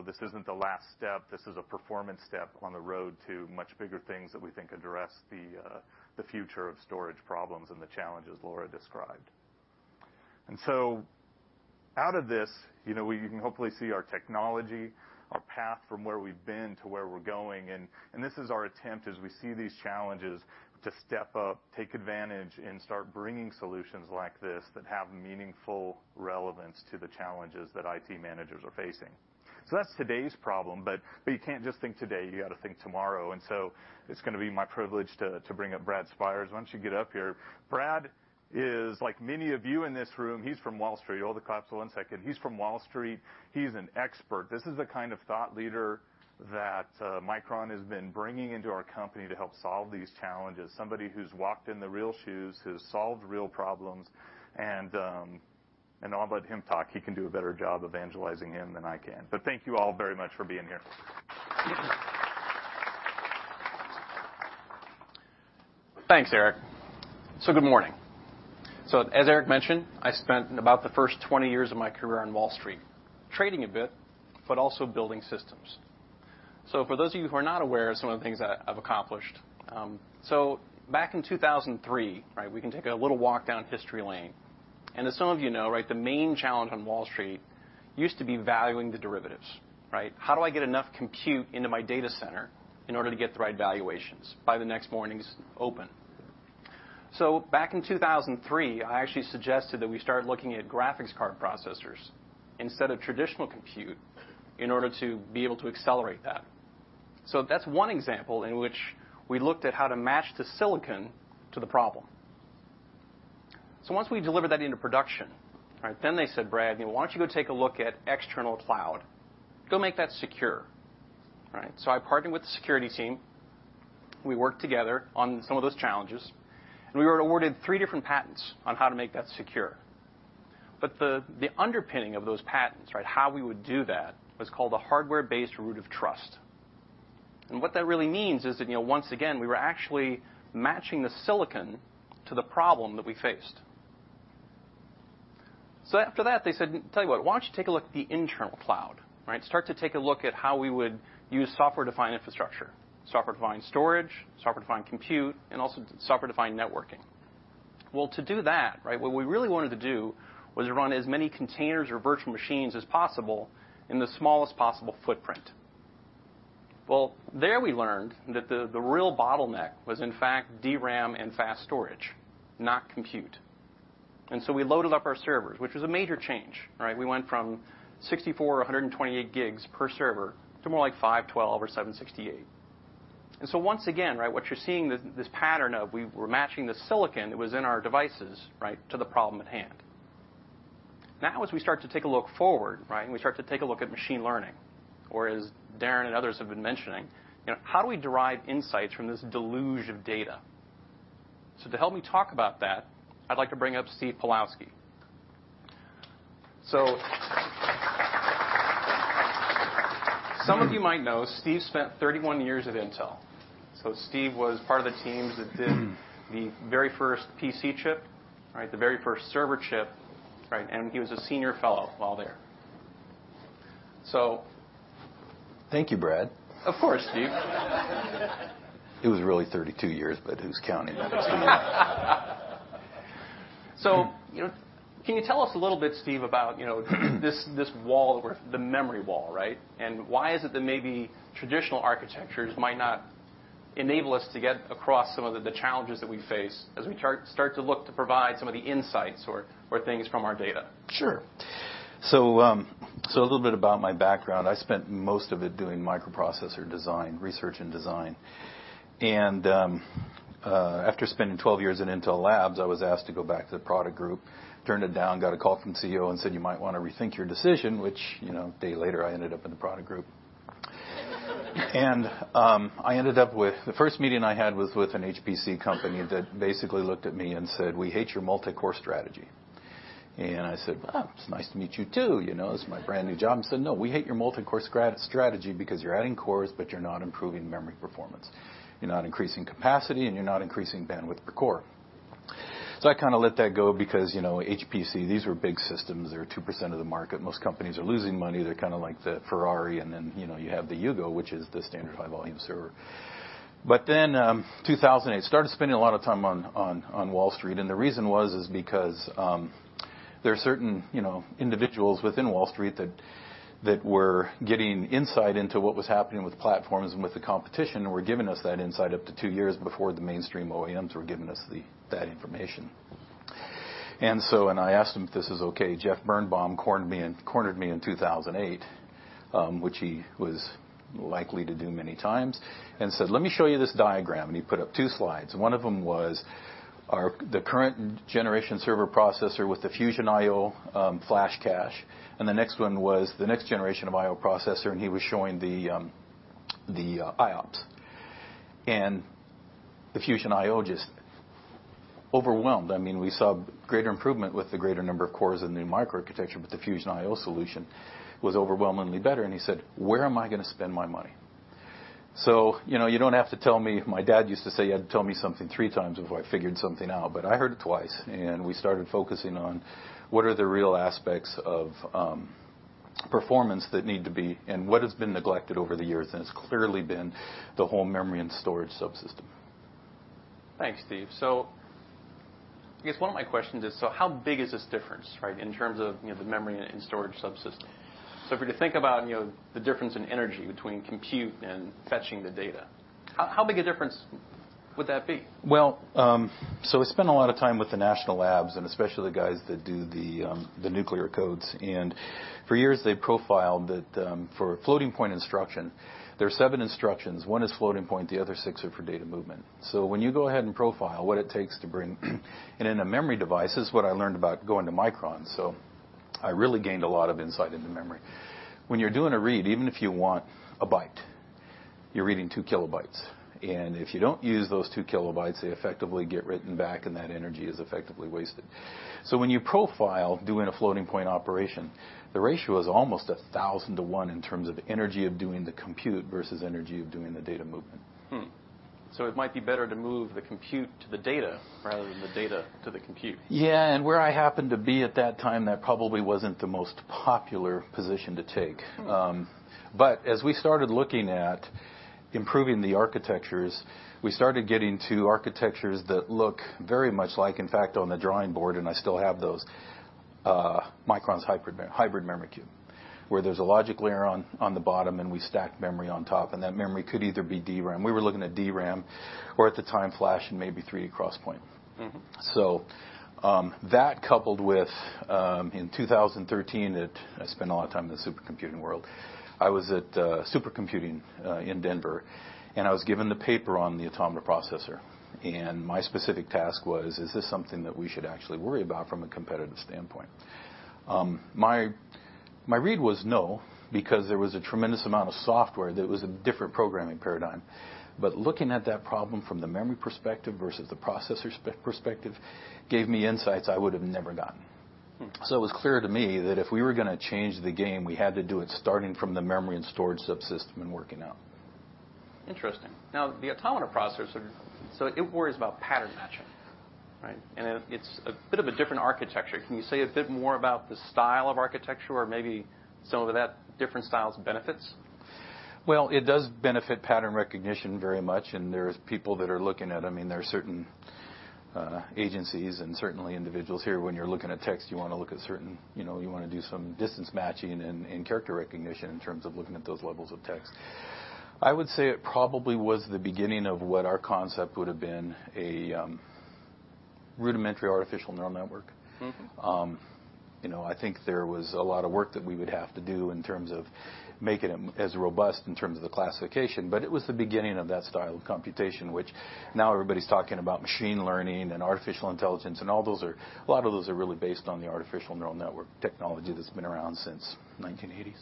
This isn't the last step. This is a performance step on the road to much bigger things that we think address the future of storage problems and the challenges Laura described. Out of this, you can hopefully see our technology, our path from where we've been to where we're going, and this is our attempt as we see these challenges to step up, take advantage, and start bringing solutions like this that have meaningful relevance to the challenges that IT managers are facing. That's today's problem, but you can't just think today, you got to think tomorrow. It's going to be my privilege to bring up Brad Spiers. Why don't you get up here? Brad is like many of you in this room, he's from Wall Street. Hold the claps one second. He's from Wall Street. He's an expert. This is the kind of thought leader that Micron has been bringing into our company to help solve these challenges. Somebody who's walked in the real shoes, who's solved real problems. I'll let him talk. He can do a better job evangelizing him than I can. Thank you all very much for being here. Thanks, Eric. Good morning. As Eric mentioned, I spent about the first 20 years of my career on Wall Street, trading a bit, but also building systems. For those of you who are not aware of some of the things that I've accomplished. Back in 2003, we can take a little walk down history lane. As some of you know, the main challenge on Wall Street used to be valuing the derivatives. How do I get enough compute into my data center in order to get the right valuations by the next morning's open? Back in 2003, I actually suggested that we start looking at graphics card processors instead of traditional compute in order to be able to accelerate that. That's one example in which we looked at how to match the silicon to the problem. Once we delivered that into production, they said, "Brad, why don't you go take a look at external cloud? Go make that secure." I partnered with the security team. We worked together on some of those challenges, and we were awarded three different patents on how to make that secure. The underpinning of those patents, how we would do that, was called a hardware-based root of trust. What that really means is that, once again, we were actually matching the silicon to the problem that we faced. After that, they said, "Tell you what, why don't you take a look at the internal cloud. Start to take a look at how we would use software-defined infrastructure, software-defined storage, software-defined compute, and also software-defined networking." Well, to do that, what we really wanted to do was run as many containers or virtual machines as possible in the smallest possible footprint. Well, there we learned that the real bottleneck was in fact DRAM and fast storage, not compute. We loaded up our servers, which was a major change. We went from 64, 128 gigs per server to more like 512 or 768. Once again, what you're seeing, this pattern of we were matching the silicon that was in our devices to the problem at hand. Now, as we start to take a look forward, we start to take a look at machine learning, or as Darren and others have been mentioning, how do we derive insights from this deluge of data? To help me talk about that, I'd like to bring up Steve Pawlowski. Some of you might know, Steve spent 31 years at Intel. Steve was part of the teams that did the very first PC chip, the very first server chip, and he was a senior fellow while there. Thank you, Brad. Of course, Steve. It was really 32 years, who's counting at this point? Can you tell us a little bit, Steve, about this wall, the memory wall. Why is it that maybe traditional architectures might not enable us to get across some of the challenges that we face as we start to look to provide some of the insights or things from our data? Sure. A little bit about my background. I spent most of it doing microprocessor design, research and design. After spending 12 years in Intel Labs, I was asked to go back to the product group. Turned it down, got a call from the CEO who said, "You might want to rethink your decision," which, a day later, I ended up in the product group. The first meeting I had was with an HPC company that basically looked at me and said, "We hate your multi-core strategy." I said, "Well, it's nice to meet you, too. This is my brand new job." They said, "No, we hate your multi-core strategy because you're adding cores, but you're not improving memory performance. You're not increasing capacity, and you're not increasing bandwidth per core." I kind of let that go because, HPC, these were big systems. They were 2% of the market. Most companies are losing money. They're kind of like the Ferrari, and then you have the Yugo, which is the standard high-volume server. 2008, started spending a lot of time on Wall Street, and the reason was is because there are certain individuals within Wall Street that were getting insight into what was happening with platforms and with the competition, and were giving us that insight up to 2 years before the mainstream OEMs were giving us that information. I asked them if this was okay. Jeff Birnbaum cornered me in 2008, which he was likely to do many times, and said, "Let me show you this diagram." He put up 2 slides. One of them was the current generation server processor with the Fusion-io flash cache, and the next one was the next generation of IO processor, and he was showing the IOPs. The Fusion-io just overwhelmed. We saw greater improvement with the greater number of cores in the new microarchitecture, but the Fusion-io solution was overwhelmingly better, and he said, "Where am I going to spend my money?" You don't have to tell me. My dad used to say you had to tell me something 3 times before I figured something out, but I heard it twice, and we started focusing on what are the real aspects of performance that need to be, and what has been neglected over the years, and it's clearly been the whole memory and storage subsystem. Thanks, Steve. I guess one of my questions is, how big is this difference in terms of the memory and storage subsystem? If we're to think about the difference in energy between compute and fetching the data, how big a difference would that be? Well, we spent a lot of time with the national labs, and especially the guys that do the nuclear codes. For years, they've profiled that for floating point instruction, there are seven instructions. One is floating point, the other six are for data movement. When you go ahead and profile what it takes to bring in a memory device, this is what I learned about going to Micron, I really gained a lot of insight into memory. When you're doing a read, even if you want a byte, you're reading two kilobytes, and if you don't use those two kilobytes, they effectively get written back, and that energy is effectively wasted. When you profile doing a floating point operation, the ratio is almost 1,000 to 1 in terms of energy of doing the compute versus energy of doing the data movement. Hmm. It might be better to move the compute to the data rather than the data to the compute. Yeah, where I happened to be at that time, that probably wasn't the most popular position to take. As we started looking at improving the architectures, we started getting to architectures that look very much like, in fact, on the drawing board, and I still have those, Micron's Hybrid Memory Cube. Where there's a logic layer on the bottom, and we stack memory on top, and that memory could either be DRAM, we were looking at DRAM, or at the time flash and maybe 3D XPoint. That coupled with, in 2013, I spent a lot of time in the Supercomputing world. I was at Supercomputing in Denver, and I was given the paper on the Automata Processor, and my specific task was, is this something that we should actually worry about from a competitive standpoint? My read was no, because there was a tremendous amount of software that was a different programming paradigm. Looking at that problem from the memory perspective versus the processor perspective gave me insights I would've never gotten. It was clear to me that if we were going to change the game, we had to do it starting from the memory and storage subsystem and working out. Interesting. Now, the Automata Processor, it worries about pattern matching. Right? It's a bit of a different architecture. Can you say a bit more about the style of architecture or maybe some of that different style's benefits? Well, it does benefit pattern recognition very much, there's people that are looking at them, there are certain agencies and certainly individuals here. When you're looking at text, you want to look at certain, you want to do some distance matching and character recognition in terms of looking at those levels of text. I would say it probably was the beginning of what our concept would've been a rudimentary artificial neural network. I think there was a lot of work that we would have to do in terms of making them as robust in terms of the classification. It was the beginning of that style of computation, which now everybody's talking about machine learning and artificial intelligence. A lot of those are really based on the artificial neural network technology that's been around since 1980s.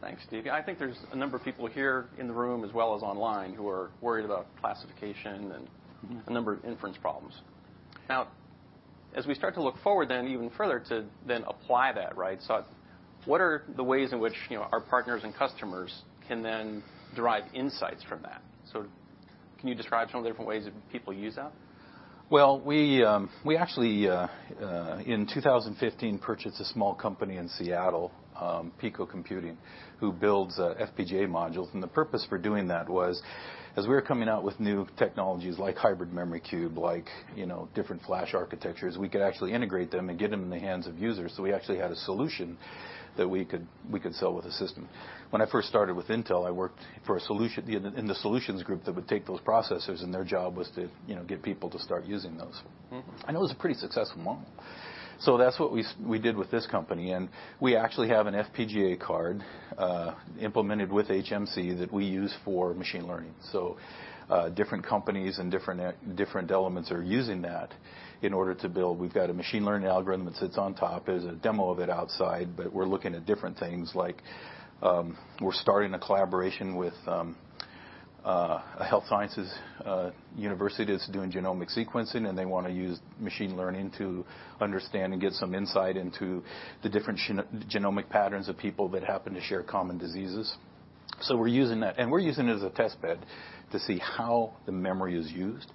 Thanks, Steve. I think there's a number of people here in the room as well as online who are worried about classification. A number of inference problems. As we start to look forward then even further to then apply that, right? What are the ways in which our partners and customers can then derive insights from that? Can you describe some of the different ways that people use that? Well, we actually, in 2015, purchased a small company in Seattle, Pico Computing, who builds FPGA modules. The purpose for doing that was as we were coming out with new technologies like Hybrid Memory Cube, like different flash architectures. We could actually integrate them and get them in the hands of users. We actually had a solution that we could sell with a system. When I first started with Intel, I worked in the solutions group that would take those processors. Their job was to get people to start using those. It was a pretty successful model. That's what we did with this company, and we actually have an FPGA card implemented with HMC that we use for machine learning. Different companies and different elements are using that in order to build. We've got a machine learning algorithm that sits on top. There's a demo of it outside, but we're looking at different things like, we're starting a collaboration with a health sciences university that's doing genomic sequencing, and they want to use machine learning to understand and get some insight into the different genomic patterns of people that happen to share common diseases. We're using that, and we're using it as a test bed to see how the memory is used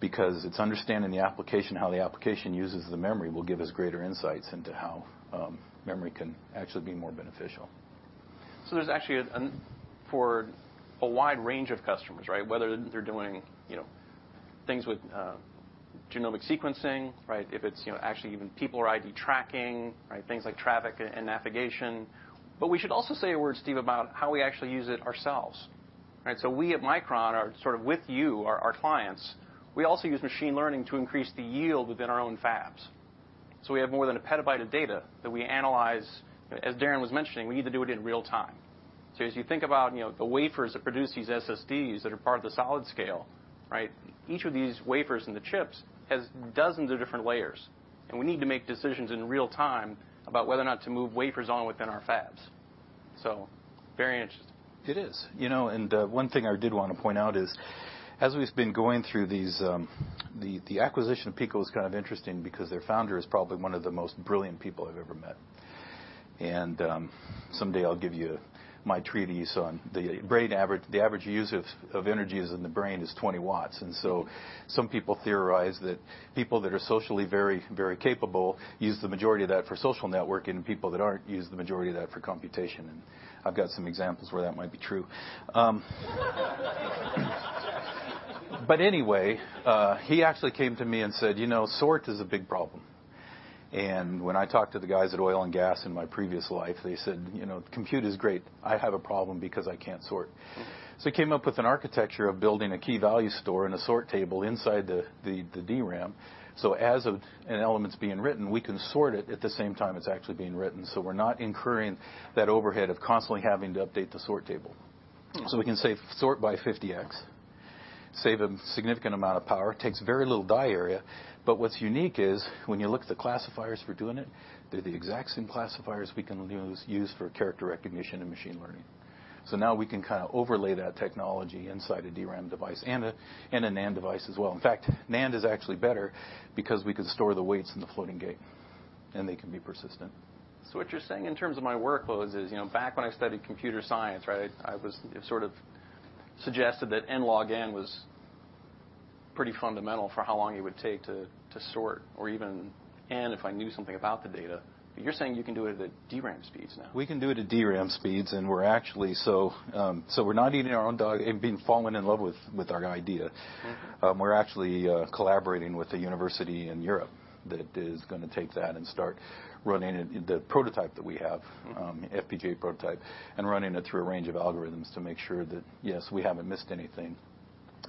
because it's understanding the application, how the application uses the memory will give us greater insights into how memory can actually be more beneficial. There's actually, for a wide range of customers, right? Whether they're doing things with genomic sequencing, right? If it's actually even people or ID tracking, right? Things like traffic and navigation. We should also say a word, Steve, about how we actually use it ourselves, right? We at Micron are sort of with you, our clients, we also use machine learning to increase the yield within our own fabs. We have more than a petabyte of data that we analyze, as Darren was mentioning, we need to do it in real time. As you think about the wafers that produce these SSDs that are part of the SolidScale, right? Each of these wafers and the chips has dozens of different layers, and we need to make decisions in real time about whether or not to move wafers on within our fabs. Very interesting. It is. One thing I did want to point out is, as we've been going through these, the acquisition of Pico Computing is kind of interesting because their founder is probably one of the most brilliant people I've ever met. Someday I'll give you my treatise on the average use of energy in the brain is 20 watts. Some people theorize that people that are socially very capable use the majority of that for social networking, and people that aren't use the majority of that for computation. I've got some examples where that might be true. Anyway, he actually came to me and said, "Sort is a big problem." When I talked to the guys at Oil and Gas in my previous life, they said, "Compute is great. I have a problem because I can't sort. We came up with an architecture of building a key-value store and a sort table inside the DRAM. As an element's being written, we can sort it at the same time it's actually being written. We're not incurring that overhead of constantly having to update the sort table. We can sort by 50x, save a significant amount of power, takes very little die area. What's unique is when you look at the classifiers for doing it, they're the exact same classifiers we can use for character recognition and machine learning. Now we can kind of overlay that technology inside a DRAM device and a NAND device as well. In fact, NAND is actually better because we could store the weights in the floating gate, and they can be persistent. What you're saying in terms of my workloads is, back when I studied computer science, right? I was sort of suggested that N log N was pretty fundamental for how long it would take to sort or even, and if I knew something about the data, but you're saying you can do it at DRAM speeds now. We can do it at DRAM speeds, and we're not eating our own dog and falling in love with our idea. We're actually collaborating with a university in Europe that is going to take that and start running the prototype that we have. FPGA prototype, running it through a range of algorithms to make sure that, yes, we haven't missed anything.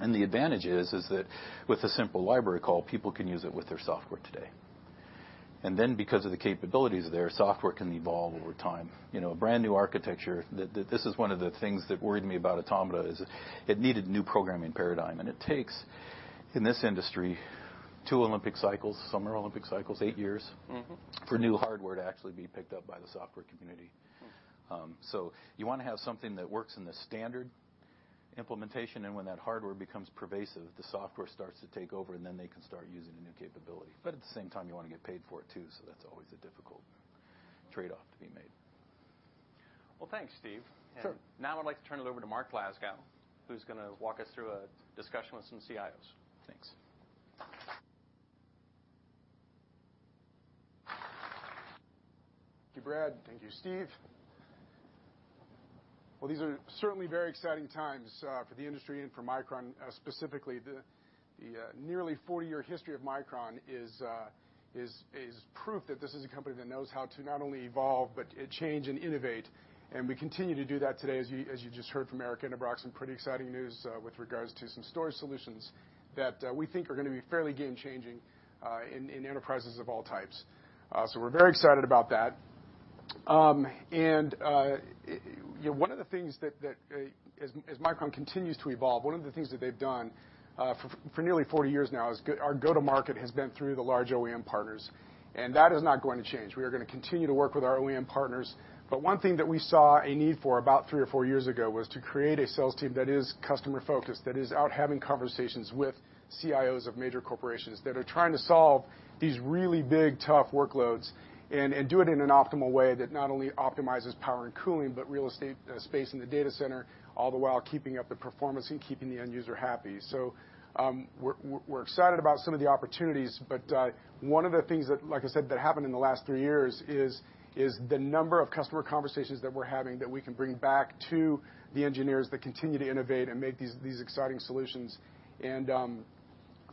The advantage is that with a simple library call, people can use it with their software today. Because of the capabilities there, software can evolve over time. A brand new architecture, this is one of the things that worried me about Automata is it needed new programming paradigm. It takes, in this industry, two Olympic cycles, summer Olympic cycles, eight years. for new hardware to actually be picked up by the software community. You want to have something that works in the standard implementation, and when that hardware becomes pervasive, the software starts to take over, and then they can start using the new capability. At the same time, you want to get paid for it, too, so that's always a difficult trade-off to be made. Well, thanks, Steve. Sure. Now I'd like to turn it over to Mark Glasgow, who's going to walk us through a discussion with some CIOs. Thanks. Thank you, Brad. Thank you, Steve. Well, these are certainly very exciting times for the industry and for Micron specifically. The nearly 40-year history of Micron is proof that this is a company that knows how to not only evolve but change and innovate. We continue to do that today, as you just heard from Eric Endebrock, some pretty exciting news with regards to some storage solutions that we think are going to be fairly game-changing in enterprises of all types. We are very excited about that. One of the things that, as Micron continues to evolve, one of the things that they have done for nearly 40 years now is our go-to market has been through the large OEM partners, and that is not going to change. We are going to continue to work with our OEM partners. One thing that we saw a need for about three or four years ago was to create a sales team that is customer-focused, that is out having conversations with CIOs of major corporations that are trying to solve these really big, tough workloads and do it in an optimal way that not only optimizes power and cooling but real estate space in the data center, all the while keeping up the performance and keeping the end user happy. We are excited about some of the opportunities. One of the things that, like I said, happened in the last three years is the number of customer conversations that we are having that we can bring back to the engineers that continue to innovate and make these exciting solutions.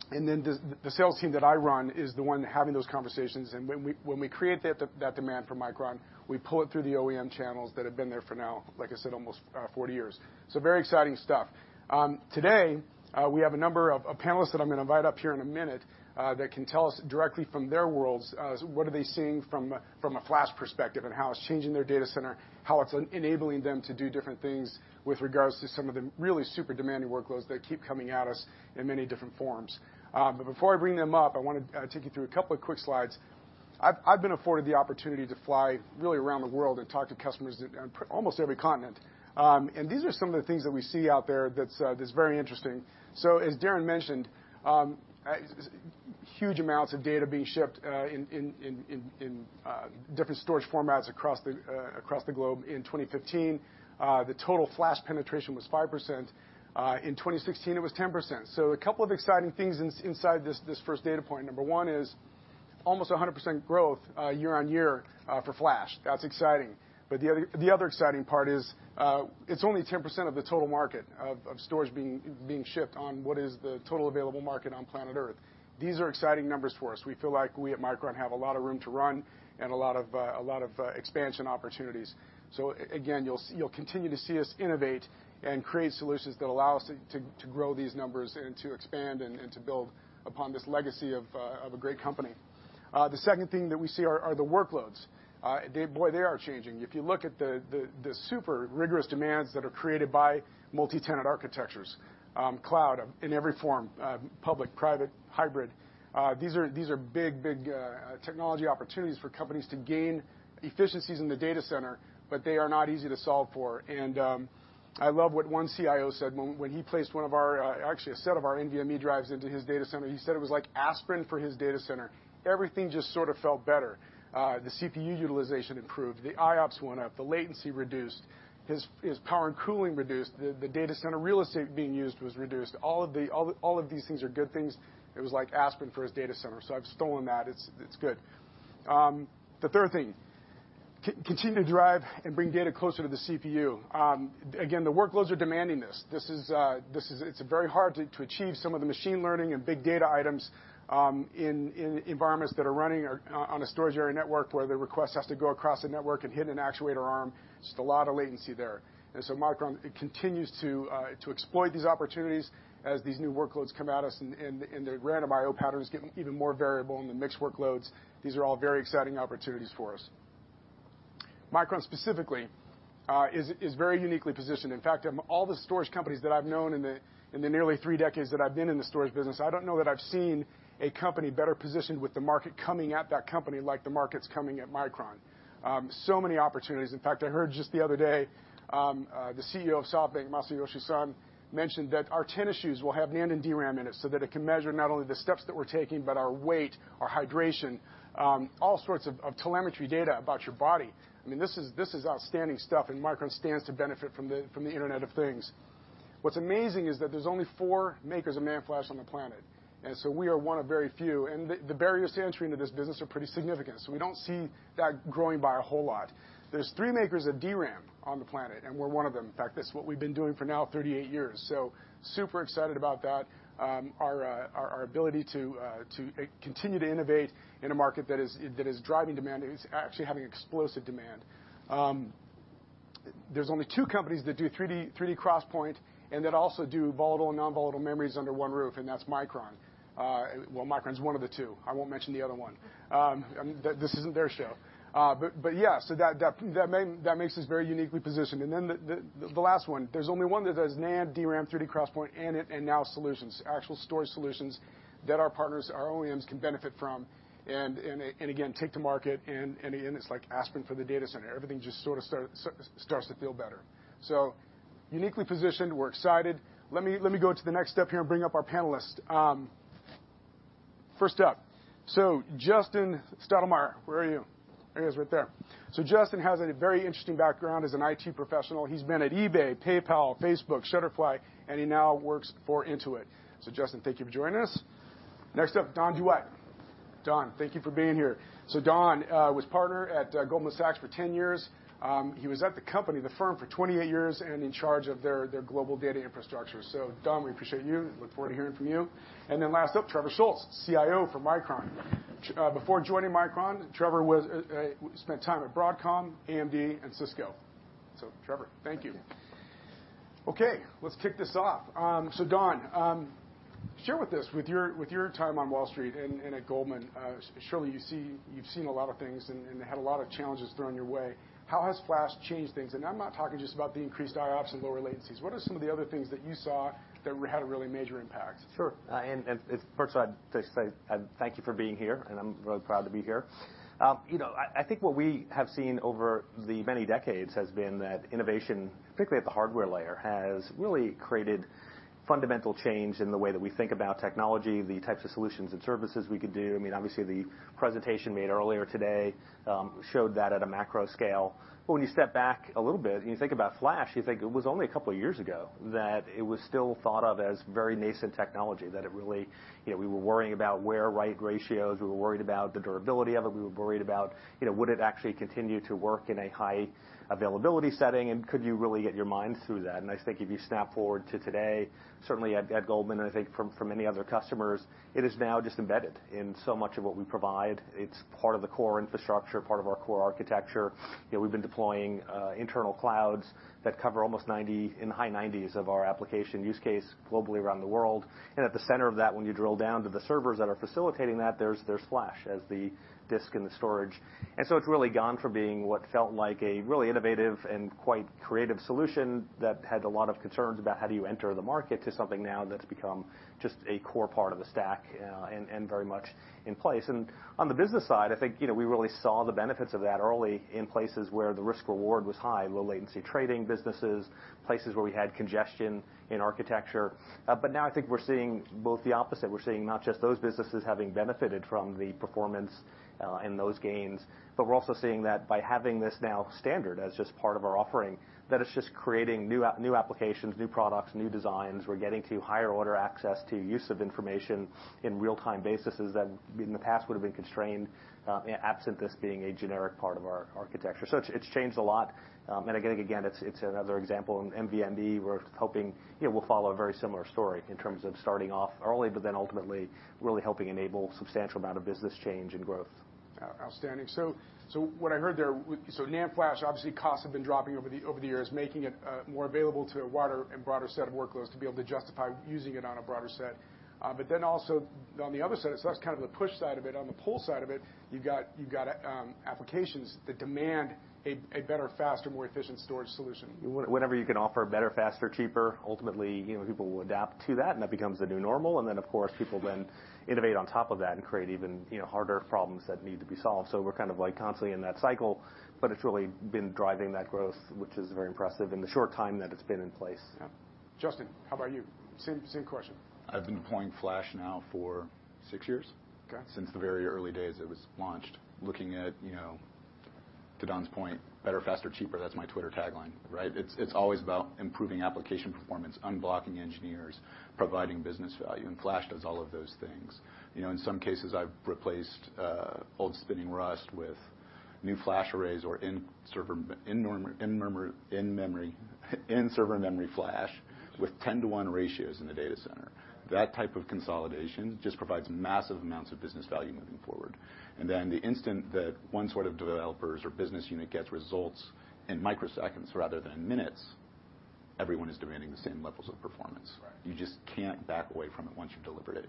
The sales team that I run is the one having those conversations, and when we create that demand for Micron, we pull it through the OEM channels that have been there for now, like I said, almost 40 years. Very exciting stuff. Today, we have a number of panelists that I am going to invite up here in a minute that can tell us directly from their worlds what are they seeing from a flash perspective and how it is changing their data center, how it is enabling them to do different things with regards to some of the really super demanding workloads that keep coming at us in many different forms. Before I bring them up, I want to take you through a couple of quick slides. I have been afforded the opportunity to fly really around the world and talk to customers on almost every continent. These are some of the things that we see out there that is very interesting. As Darren mentioned, huge amounts of data being shipped in different storage formats across the globe. In 2015, the total flash penetration was 5%. In 2016, it was 10%. A couple of exciting things inside this first data point. Number one is almost 100% growth year-over-year for flash. That is exciting. The other exciting part is it is only 10% of the total market of storage being shipped on what is the total available market on planet Earth. These are exciting numbers for us. We feel like we at Micron have a lot of room to run and a lot of expansion opportunities. Again, you'll continue to see us innovate and create solutions that allow us to grow these numbers and to expand and to build upon this legacy of a great company. The second thing that we see are the workloads. Boy, they are changing. If you look at the super rigorous demands that are created by multi-tenant architectures, cloud in every form, public, private, hybrid, these are big technology opportunities for companies to gain efficiencies in the data center, but they are not easy to solve for. I love what one CIO said when he placed a set of our NVMe drives into his data center. He said it was like aspirin for his data center. Everything just sort of felt better. The CPU utilization improved. The IOPS went up. The latency reduced. His power and cooling reduced. The data center real estate being used was reduced. All of these things are good things. It was like aspirin for his data center. I've stolen that. It's good. The third thing, continue to drive and bring data closer to the CPU. Again, the workloads are demanding this. It's very hard to achieve some of the machine learning and big data items in environments that are running on a storage area network where the request has to go across a network and hit an actuator arm. Just a lot of latency there. Micron continues to exploit these opportunities as these new workloads come at us and the random IO patterns get even more variable in the mixed workloads. These are all very exciting opportunities for us. Micron specifically is very uniquely positioned. In fact, of all the storage companies that I've known in the nearly 3 decades that I've been in the storage business, I don't know that I've seen a company better positioned with the market coming at that company like the market's coming at Micron. Many opportunities. In fact, I heard just the other day, the CEO of SoftBank, Masayoshi Son, mentioned that our tennis shoes will have NAND and DRAM in it so that it can measure not only the steps that we're taking but our weight, our hydration, all sorts of telemetry data about your body. This is outstanding stuff, and Micron stands to benefit from the Internet of Things. What's amazing is that there's only 4 makers of NAND flash on the planet, we are one of very few. The barriers to entry into this business are pretty significant, we don't see that growing by a whole lot. There's 3 makers of DRAM on the planet, and we're one of them. In fact, that's what we've been doing for now 38 years. Super excited about that, our ability to continue to innovate in a market that is driving demand, that is actually having explosive demand. There's only 2 companies that do 3D XPoint and that also do volatile and non-volatile memories under one roof, and that's Micron. Micron's one of the 2. I won't mention the other one. This isn't their show. That makes us very uniquely positioned. The last one, there's only one that does NAND, DRAM, 3D XPoint, and now solutions, actual storage solutions, that our partners, our OEMs, can benefit from and again, take to market, and it's like aspirin for the data center. Everything just sort of starts to feel better. Uniquely positioned. We're excited. Let me go to the next step here and bring up our panelists. First up, Justin Stottlemyer, where are you? There he is right there. Justin has a very interesting background as an IT professional. He's been at eBay, PayPal, Facebook, Shutterfly, and he now works for Intuit. Justin, thank you for joining us. Next up, Don Duet. Don, thank you for being here. Don was partner at Goldman Sachs for 10 years. He was at the company, the firm, for 28 years, and in charge of their global data infrastructure. Don, we appreciate you and look forward to hearing from you. Last up, Trevor Scholz, CIO for Micron. Before joining Micron, Trevor spent time at Broadcom, AMD, and Cisco. Trevor, thank you. Thank you. Let's kick this off. Don, share with us, with your time on Wall Street and at Goldman, surely you've seen a lot of things and had a lot of challenges thrown your way. How has flash changed things? I'm not talking just about the increased IOPS and lower latencies. What are some of the other things that you saw that had a really major impact? First, I'd just say thank you for being here. I'm really proud to be here. I think what we have seen over the many decades has been that innovation, particularly at the hardware layer, has really created fundamental change in the way that we think about technology, the types of solutions and services we could do. Obviously, the presentation made earlier today showed that at a macro scale. When you step back a little bit and you think about Flash, you think it was only a couple of years ago that it was still thought of as very nascent technology, that it really We were worrying about write ratios, we were worried about the durability of it, we were worried about would it actually continue to work in a high availability setting, and could you really get your mind through that? I think if you snap forward to today, certainly at Goldman, I think from many other customers, it is now just embedded in so much of what we provide. It's part of the core infrastructure, part of our core architecture. We've been deploying internal clouds that cover almost in the high 90s of our application use case globally around the world. At the center of that, when you drill down to the servers that are facilitating that, there's Flash as the disk and the storage. It's really gone from being what felt like a really innovative and quite creative solution that had a lot of concerns about how do you enter the market, to something now that's become just a core part of the stack and very much in place. On the business side, I think we really saw the benefits of that early in places where the risk/reward was high, low latency trading businesses, places where we had congestion in architecture. Now I think we're seeing both the opposite. We're seeing not just those businesses having benefited from the performance and those gains, but we're also seeing that by having this now standard as just part of our offering, that it's just creating new applications, new products, new designs. We're getting to higher order access to use of information in real-time basis that in the past would've been constrained, absent this being a generic part of our architecture. It's changed a lot. I think, again, it's another example, NVDIMM, we're hoping will follow a very similar story in terms of starting off early, ultimately really helping enable substantial amount of business change and growth. Outstanding. What I heard there, NAND flash, obviously costs have been dropping over the years, making it more available to a wider and broader set of workloads to be able to justify using it on a broader set. Also on the other side, that's the push side of it. On the pull side of it, you've got applications that demand a better, faster, more efficient storage solution. Whenever you can offer better, faster, cheaper, ultimately, people will adapt to that, and that becomes the new normal. Of course, people then innovate on top of that and create even harder problems that need to be solved. We're constantly in that cycle, but it's really been driving that growth, which is very impressive in the short time that it's been in place. Yep. Justin, how about you? Same question. I've been deploying Flash now for six years. Okay. Since the very early days it was launched. Looking at, to Don's point, better, faster, cheaper, that's my Twitter tagline, right? It's always about improving application performance, unblocking engineers, providing business value. Flash does all of those things. In some cases, I've replaced old spinning rust with new Flash arrays or in server memory Flash with 10 to 1 ratios in the data center. That type of consolidation just provides massive amounts of business value moving forward. The instant that one set of developers or business unit gets results in microseconds rather than minutes, everyone is demanding the same levels of performance. Right. You just can't back away from it once you've delivered it.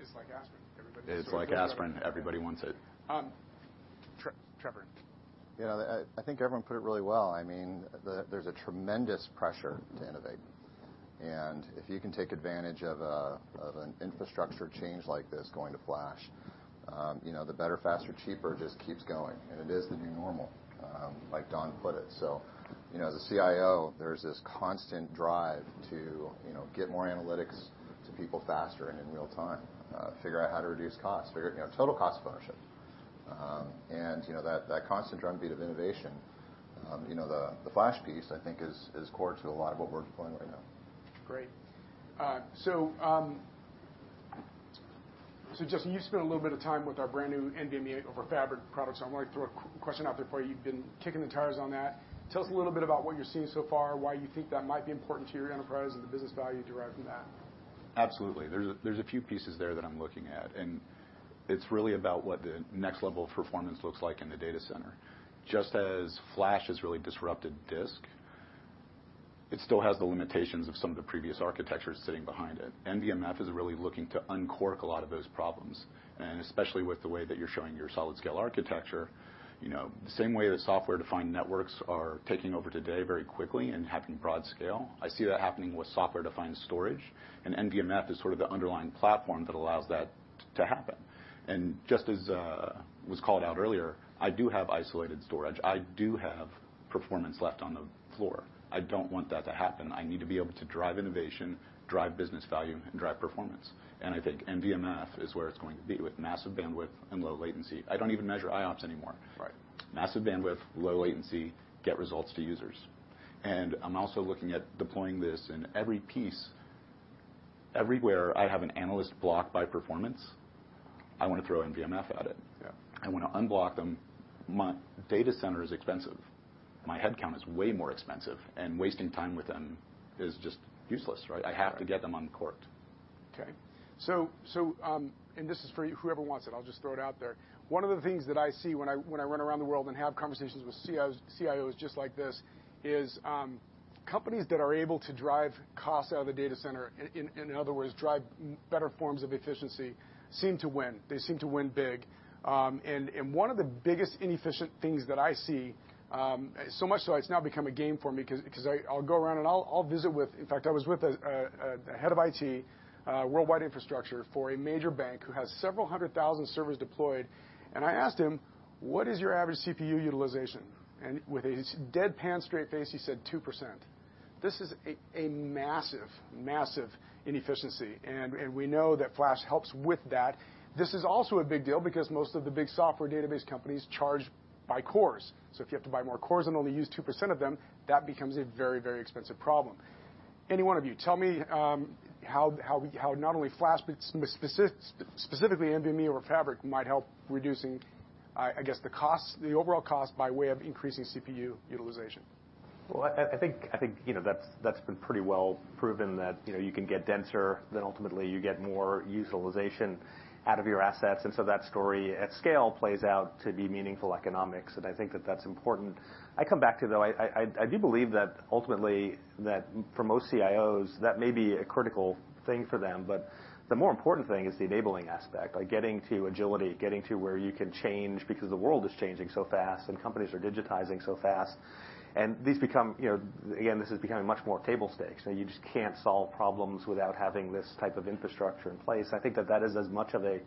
It's like aspirin. It's like aspirin. Everybody wants it. Trevor. I think everyone put it really well. There's a tremendous pressure to innovate, and if you can take advantage of an infrastructure change like this going to flash, the better, faster, cheaper just keeps going, and it is the new normal, like Don put it. As a CIO, there's this constant drive to get more analytics to people faster and in real time, figure out how to reduce costs, figure out total cost of ownership That constant drumbeat of innovation, the flash piece, I think, is core to a lot of what we're deploying right now. Great. Justin, you've spent a little bit of time with our brand new NVMe over Fabrics product, so I want to throw a question out there for you. You've been kicking the tires on that. Tell us a little bit about what you're seeing so far, why you think that might be important to your enterprise, and the business value derived from that. Absolutely. There's a few pieces there that I'm looking at, and it's really about what the next level of performance looks like in the data center. Just as flash has really disrupted disk, it still has the limitations of some of the previous architectures sitting behind it. NVMe is really looking to uncork a lot of those problems, especially with the way that you're showing your SolidScale architecture. The same way that software-defined networks are taking over today very quickly and having broad scale, I see that happening with software-defined storage, and NVMe is sort of the underlying platform that allows that to happen. Just as was called out earlier, I do have isolated storage. I do have performance left on the floor. I don't want that to happen. I need to be able to drive innovation, drive business value, and drive performance. I think NVMe is where it's going to be with massive bandwidth and low latency. I don't even measure IOPS anymore. Right. Massive bandwidth, low latency, get results to users. I'm also looking at deploying this in every piece. Everywhere I have an analyst blocked by performance, I want to throw NVMe at it. Yeah. I want to unblock them. My data center is expensive. My headcount is way more expensive, and wasting time with them is just useless, right? I have to get them uncorked. Okay. This is for whoever wants it, I'll just throw it out there. One of the things that I see when I run around the world and have conversations with CIOs just like this is, companies that are able to drive costs out of the data center, in other words, drive better forms of efficiency, seem to win. They seem to win big. One of the biggest inefficient things that I see, so much so it's now become a game for me, because I'll go around and I'll visit with In fact, I was with a head of IT, worldwide infrastructure for a major bank who has several 100,000 servers deployed, and I asked him, "What is your average CPU utilization?" With a dead pan straight face, he said, "2%." This is a massive inefficiency, and we know that flash helps with that. This is also a big deal because most of the big software database companies charge by cores. If you have to buy more cores and only use 2% of them, that becomes a very expensive problem. Any one of you, tell me how not only flash, but specifically NVMe over Fabrics might help reducing, I guess, the overall cost by way of increasing CPU utilization. Well, I think that's been pretty well proven that you can get denser, ultimately you get more utilization out of your assets. That story at scale plays out to be meaningful economics, and I think that that's important. I come back to though, I do believe that ultimately that for most CIOs, that may be a critical thing for them, but the more important thing is the enabling aspect, like getting to agility, getting to where you can change because the world is changing so fast and companies are digitizing so fast. These become, again, this is becoming much more table stakes. You just can't solve problems without having this type of infrastructure in place. I think that is as much of a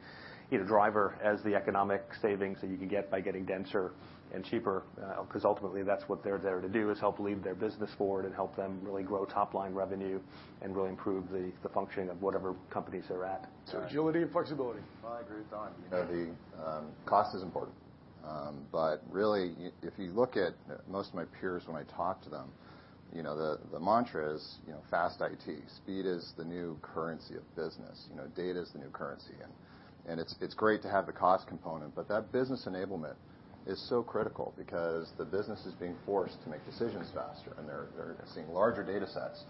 driver as the economic savings that you can get by getting denser and cheaper, because ultimately that's what they're there to do, is help lead their business forward and help them really grow top-line revenue and really improve the functioning of whatever companies they're at. Agility and flexibility. I agree with Don. The cost is important. Really, if you look at most of my peers when I talk to them, the mantra is fast IT. Speed is the new currency of business. Data is the new currency. It's great to have the cost component, but that business enablement is so critical because the business is being forced to make decisions faster, and they're seeing larger data sets.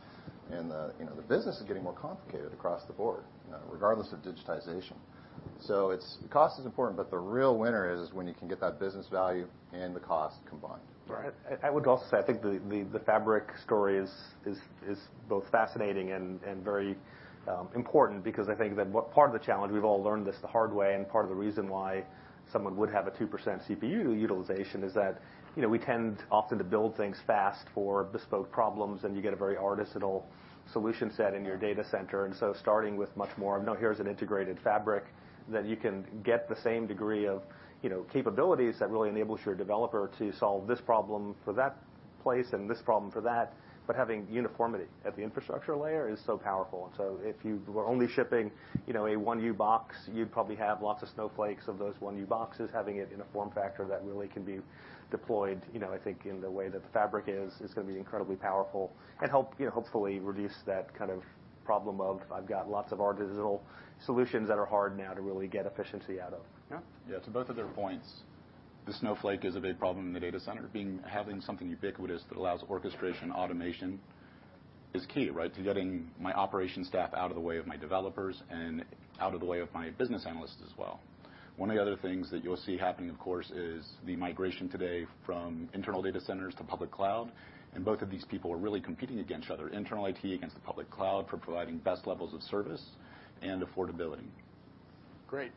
The business is getting more complicated across the board, regardless of digitization. Cost is important, but the real winner is when you can get that business value and the cost combined. Right. I would also say, I think the Fabric story is both fascinating and very important because I think that part of the challenge, we've all learned this the hard way, and part of the reason why someone would have a 2% CPU utilization is that we tend often to build things fast for bespoke problems, and you get a very artisanal solution set in your data center. Starting with much more of, no, here's an integrated fabric that you can get the same degree of capabilities that really enables your developer to solve this problem for that place and this problem for that, but having uniformity at the infrastructure layer is so powerful. If you were only shipping a 1U box, you'd probably have lots of snowflakes of those 1U boxes. Having it in a form factor that really can be deployed, I think, in the way that the Fabric is going to be incredibly powerful and hopefully reduce that problem of I've got lots of artisanal solutions that are hard now to really get efficiency out of. Yeah. Yeah, to both of their points, the snowflake is a big problem in the data center. Having something ubiquitous that allows orchestration, automation is key, right? To getting my operation staff out of the way of my developers and out of the way of my business analysts as well. One of the other things that you'll see happening, of course, is the migration today from internal data centers to public cloud, and both of these people are really competing against each other, internal IT against the public cloud, for providing best levels of service and affordability. Great.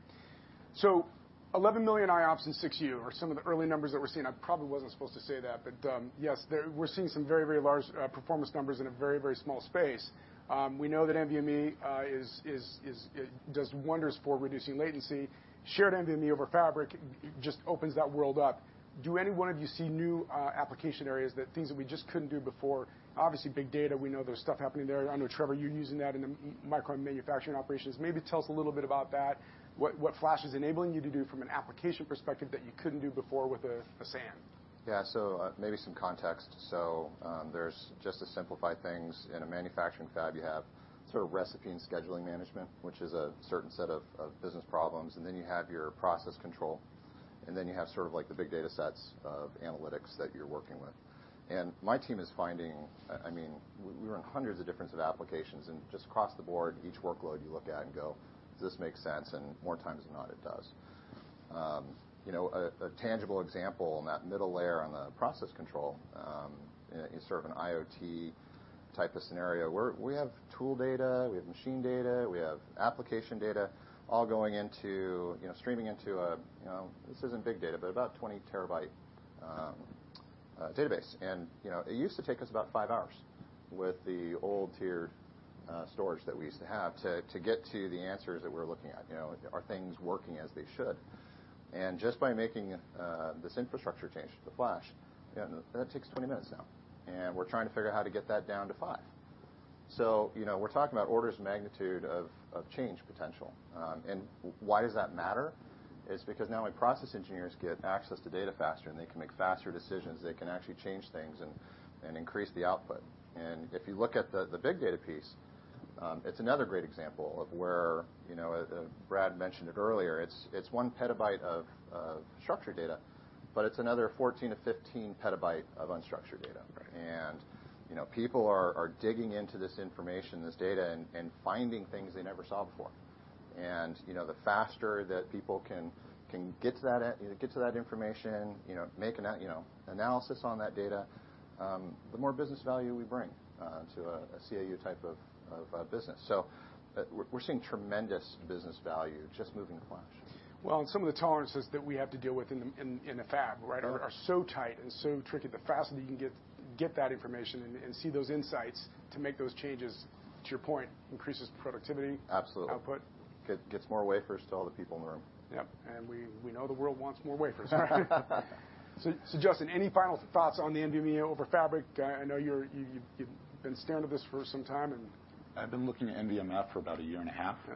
11 million IOPs in 6U are some of the early numbers that we're seeing. I probably wasn't supposed to say that, but yes, we're seeing some very large performance numbers in a very small space. We know that NVMe does wonders for reducing latency. Shared NVMe over Fabric just opens that world up. Do any one of you see new application areas, things that we just couldn't do before? Obviously, big data, we know there's stuff happening there. I know, Trevor, you're using that in the Micron manufacturing operations. Maybe tell us a little bit about that, what Flash is enabling you to do from an application perspective that you couldn't do before with a SAN. Yeah. Maybe some context. There's just to simplify things, in a manufacturing fab, you have recipe and scheduling management, which is a certain set of business problems, then you have your process control. Then you have the big data sets of analytics that you're working with. My team is finding, we run hundreds of different applications, and just across the board, each workload you look at and go, "Does this make sense?" More times than not, it does. A tangible example in that middle layer on the process control, in sort of an IoT type of scenario, we have tool data, we have machine data, we have application data all streaming into a, this isn't big data, but about a 20-terabyte database. It used to take us about five hours with the old tiered storage that we used to have to get to the answers that we're looking at. Are things working as they should? Just by making this infrastructure change to the flash, that takes 20 minutes now, and we're trying to figure out how to get that down to five. We're talking about orders of magnitude of change potential. Why does that matter? It's because now my process engineers get access to data faster, and they can make faster decisions. They can actually change things and increase the output. If you look at the big data piece, it's another great example of where, as Brad mentioned it earlier, it's one petabyte of structured data, but it's another 14 to 15 petabyte of unstructured data. Right. People are digging into this information, this data, and finding things they never saw before. The faster that people can get to that information, make analysis on that data, the more business value we bring to a CAU type of business. We're seeing tremendous business value just moving to flash. Well, some of the tolerances that we have to deal with in the fab are so tight and so tricky, the faster that you can get that information and see those insights to make those changes, to your point, increases productivity. Absolutely output. Gets more wafers to all the people in the room. Yep, we know the world wants more wafers. Justin, any final thoughts on the NVMe over Fabrics? I know you've been staying to this for some time. I've been looking at NVMe for about a year and a half. Yeah.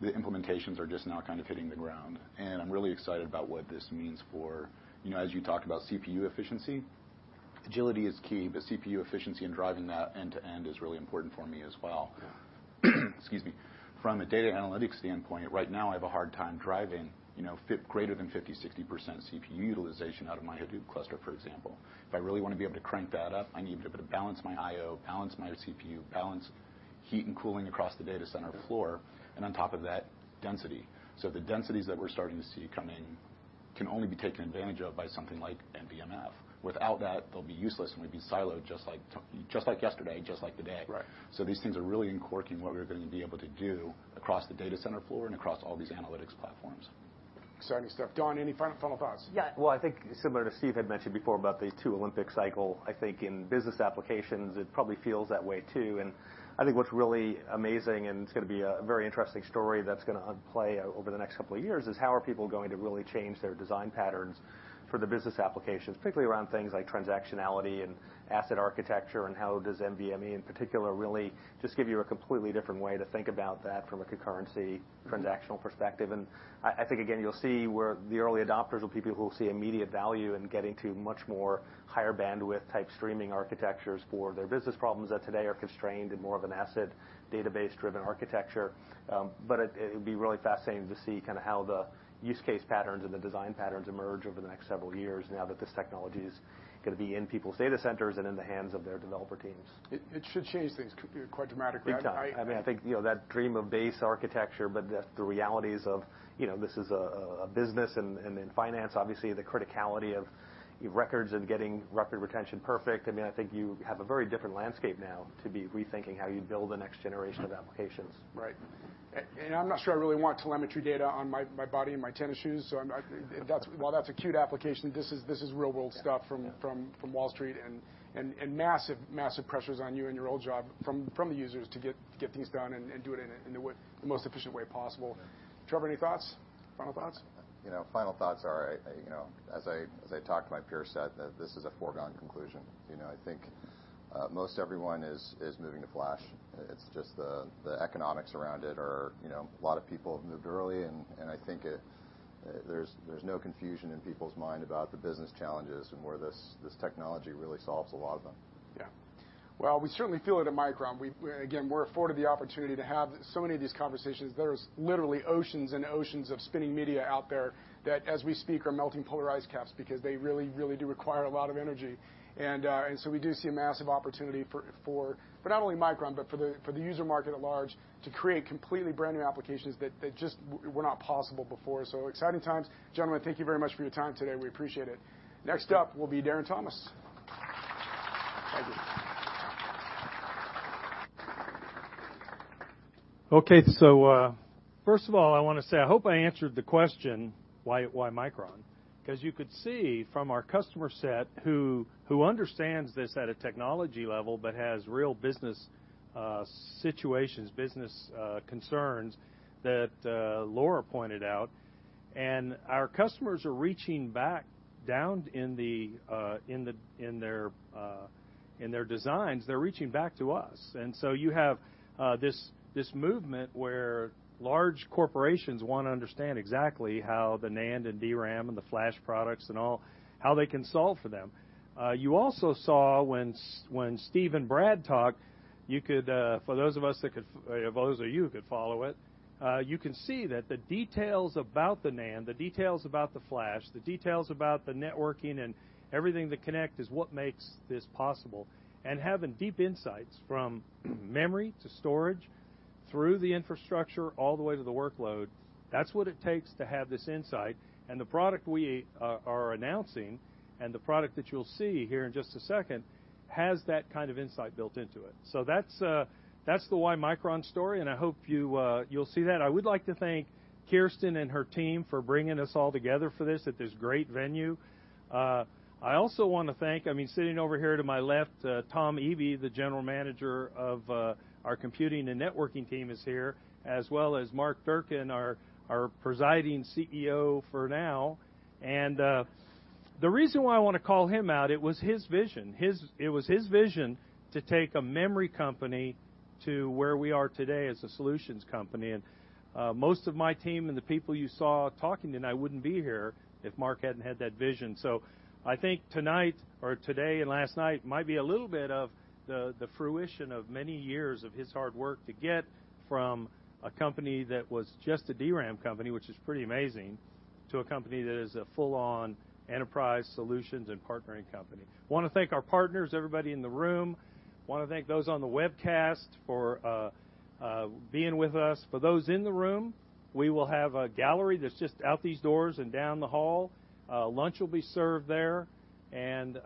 The implementations are just now kind of hitting the ground, I'm really excited about what this means for, as you talked about CPU efficiency, agility is key, but CPU efficiency and driving that end to end is really important for me as well. Yeah. Excuse me. From a data analytics standpoint, right now, I have a hard time driving greater than 50%, 60% CPU utilization out of my Hadoop cluster, for example. If I really want to be able to crank that up, I need to be able to balance my IO, balance my CPU, balance heat and cooling across the data center floor, and on top of that, density. The densities that we're starting to see come in can only be taken advantage of by something like NVMe. Without that, they'll be useless, and we'd be siloed just like yesterday, just like today. Right. These things are really uncorking what we're going to be able to do across the data center floor and across all these analytics platforms. Exciting stuff. Don, any final thoughts? Yeah. Well, I think similar to Steve Pawlowski had mentioned before about the two Olympic cycle, I think in business applications, it probably feels that way, too. I think what's really amazing, and it's going to be a very interesting story that's going to play over the next couple of years, is how are people going to really change their design patterns for the business applications, particularly around things like transactionality and asset architecture, and how does NVMe in particular really just give you a completely different way to think about that from a concurrency transactional perspective. I think, again, you'll see where the early adopters will be people who will see immediate value in getting to much more higher bandwidth type streaming architectures for their business problems that today are constrained in more of an asset database-driven architecture. It'll be really fascinating to see how the use case patterns and the design patterns emerge over the next several years now that this technology is going to be in people's data centers and in the hands of their developer teams. It should change things quite dramatically. Big time. I think that dream of base architecture, but the realities of this is a business and in finance, obviously the criticality of records and getting record retention perfect. I think you have a very different landscape now to be rethinking how you build the next generation of applications. Right. I'm not sure I really want telemetry data on my body and my tennis shoes, so while that's a cute application, this is real-world stuff from Wall Street and massive pressures on you in your old job from the users to get things done and do it in the most efficient way possible. Trevor, any thoughts, final thoughts? Final thoughts are, as I talk to my peer set, that this is a foregone conclusion. I think most everyone is moving to flash. It's just the economics around it are a lot of people have moved early. I think there's no confusion in people's mind about the business challenges and where this technology really solves a lot of them. Yeah. Well, we certainly feel it at Micron. Again, we're afforded the opportunity to have so many of these conversations. There is literally oceans and oceans of spinning media out there that, as we speak, are melting polar ice caps because they really, really do require a lot of energy. We do see a massive opportunity for not only Micron but for the user market at large to create completely brand-new applications that just were not possible before. So exciting times. Gentlemen, thank you very much for your time today. We appreciate it. Next up will be Darren Thomas. Thank you. First of all, I want to say, I hope I answered the question, why Micron? You could see from our customer set who understands this at a technology level but has real business situations, business concerns that Laura pointed out. Our customers are reaching back down in their designs, they're reaching back to us. You have this movement where large corporations want to understand exactly how the NAND and DRAM and the flash products and all, how they can solve for them. You also saw when Steve and Brad talked, for those of you who could follow it. You can see that the details about the NAND, the details about the flash, the details about the networking and everything that connect is what makes this possible. Having deep insights from memory to storage through the infrastructure all the way to the workload, that's what it takes to have this insight. The product we are announcing and the product that you'll see here in just a second has that kind of insight built into it. That's the Why Micron story, and I hope you'll see that. I would like to thank Kirsten and her team for bringing us all together for this at this great venue. I also want to thank, sitting over here to my left, Tom Eby, the General Manager of our Compute and Networking team is here, as well as Mark Durcan, our presiding CEO for now. The reason why I want to call him out, it was his vision. It was his vision to take a memory company to where we are today as a solutions company. Most of my team and the people you saw talking tonight wouldn't be here if Mark hadn't had that vision. I think tonight or today and last night might be a little bit of the fruition of many years of his hard work to get from a company that was just a DRAM company, which is pretty amazing, to a company that is a full-on enterprise solutions and partnering company. I want to thank our partners, everybody in the room. I want to thank those on the webcast for being with us. For those in the room, we will have a gallery that's just out these doors and down the hall. Lunch will be served there, and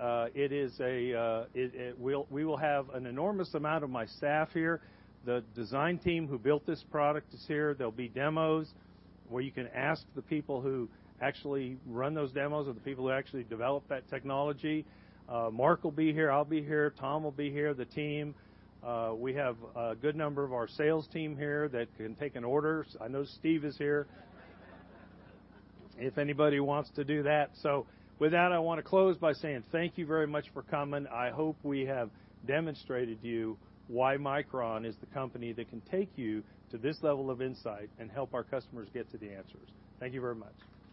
we will have an enormous amount of my staff here. The design team who built this product is here. There'll be demos where you can ask the people who actually run those demos or the people who actually develop that technology. Mark will be here, I'll be here, Tom will be here, the team. We have a good number of our sales team here that can take an order. I know Steve is here if anybody wants to do that. With that, I want to close by saying thank you very much for coming. I hope we have demonstrated to you why Micron is the company that can take you to this level of insight and help our customers get to the answers. Thank you very much.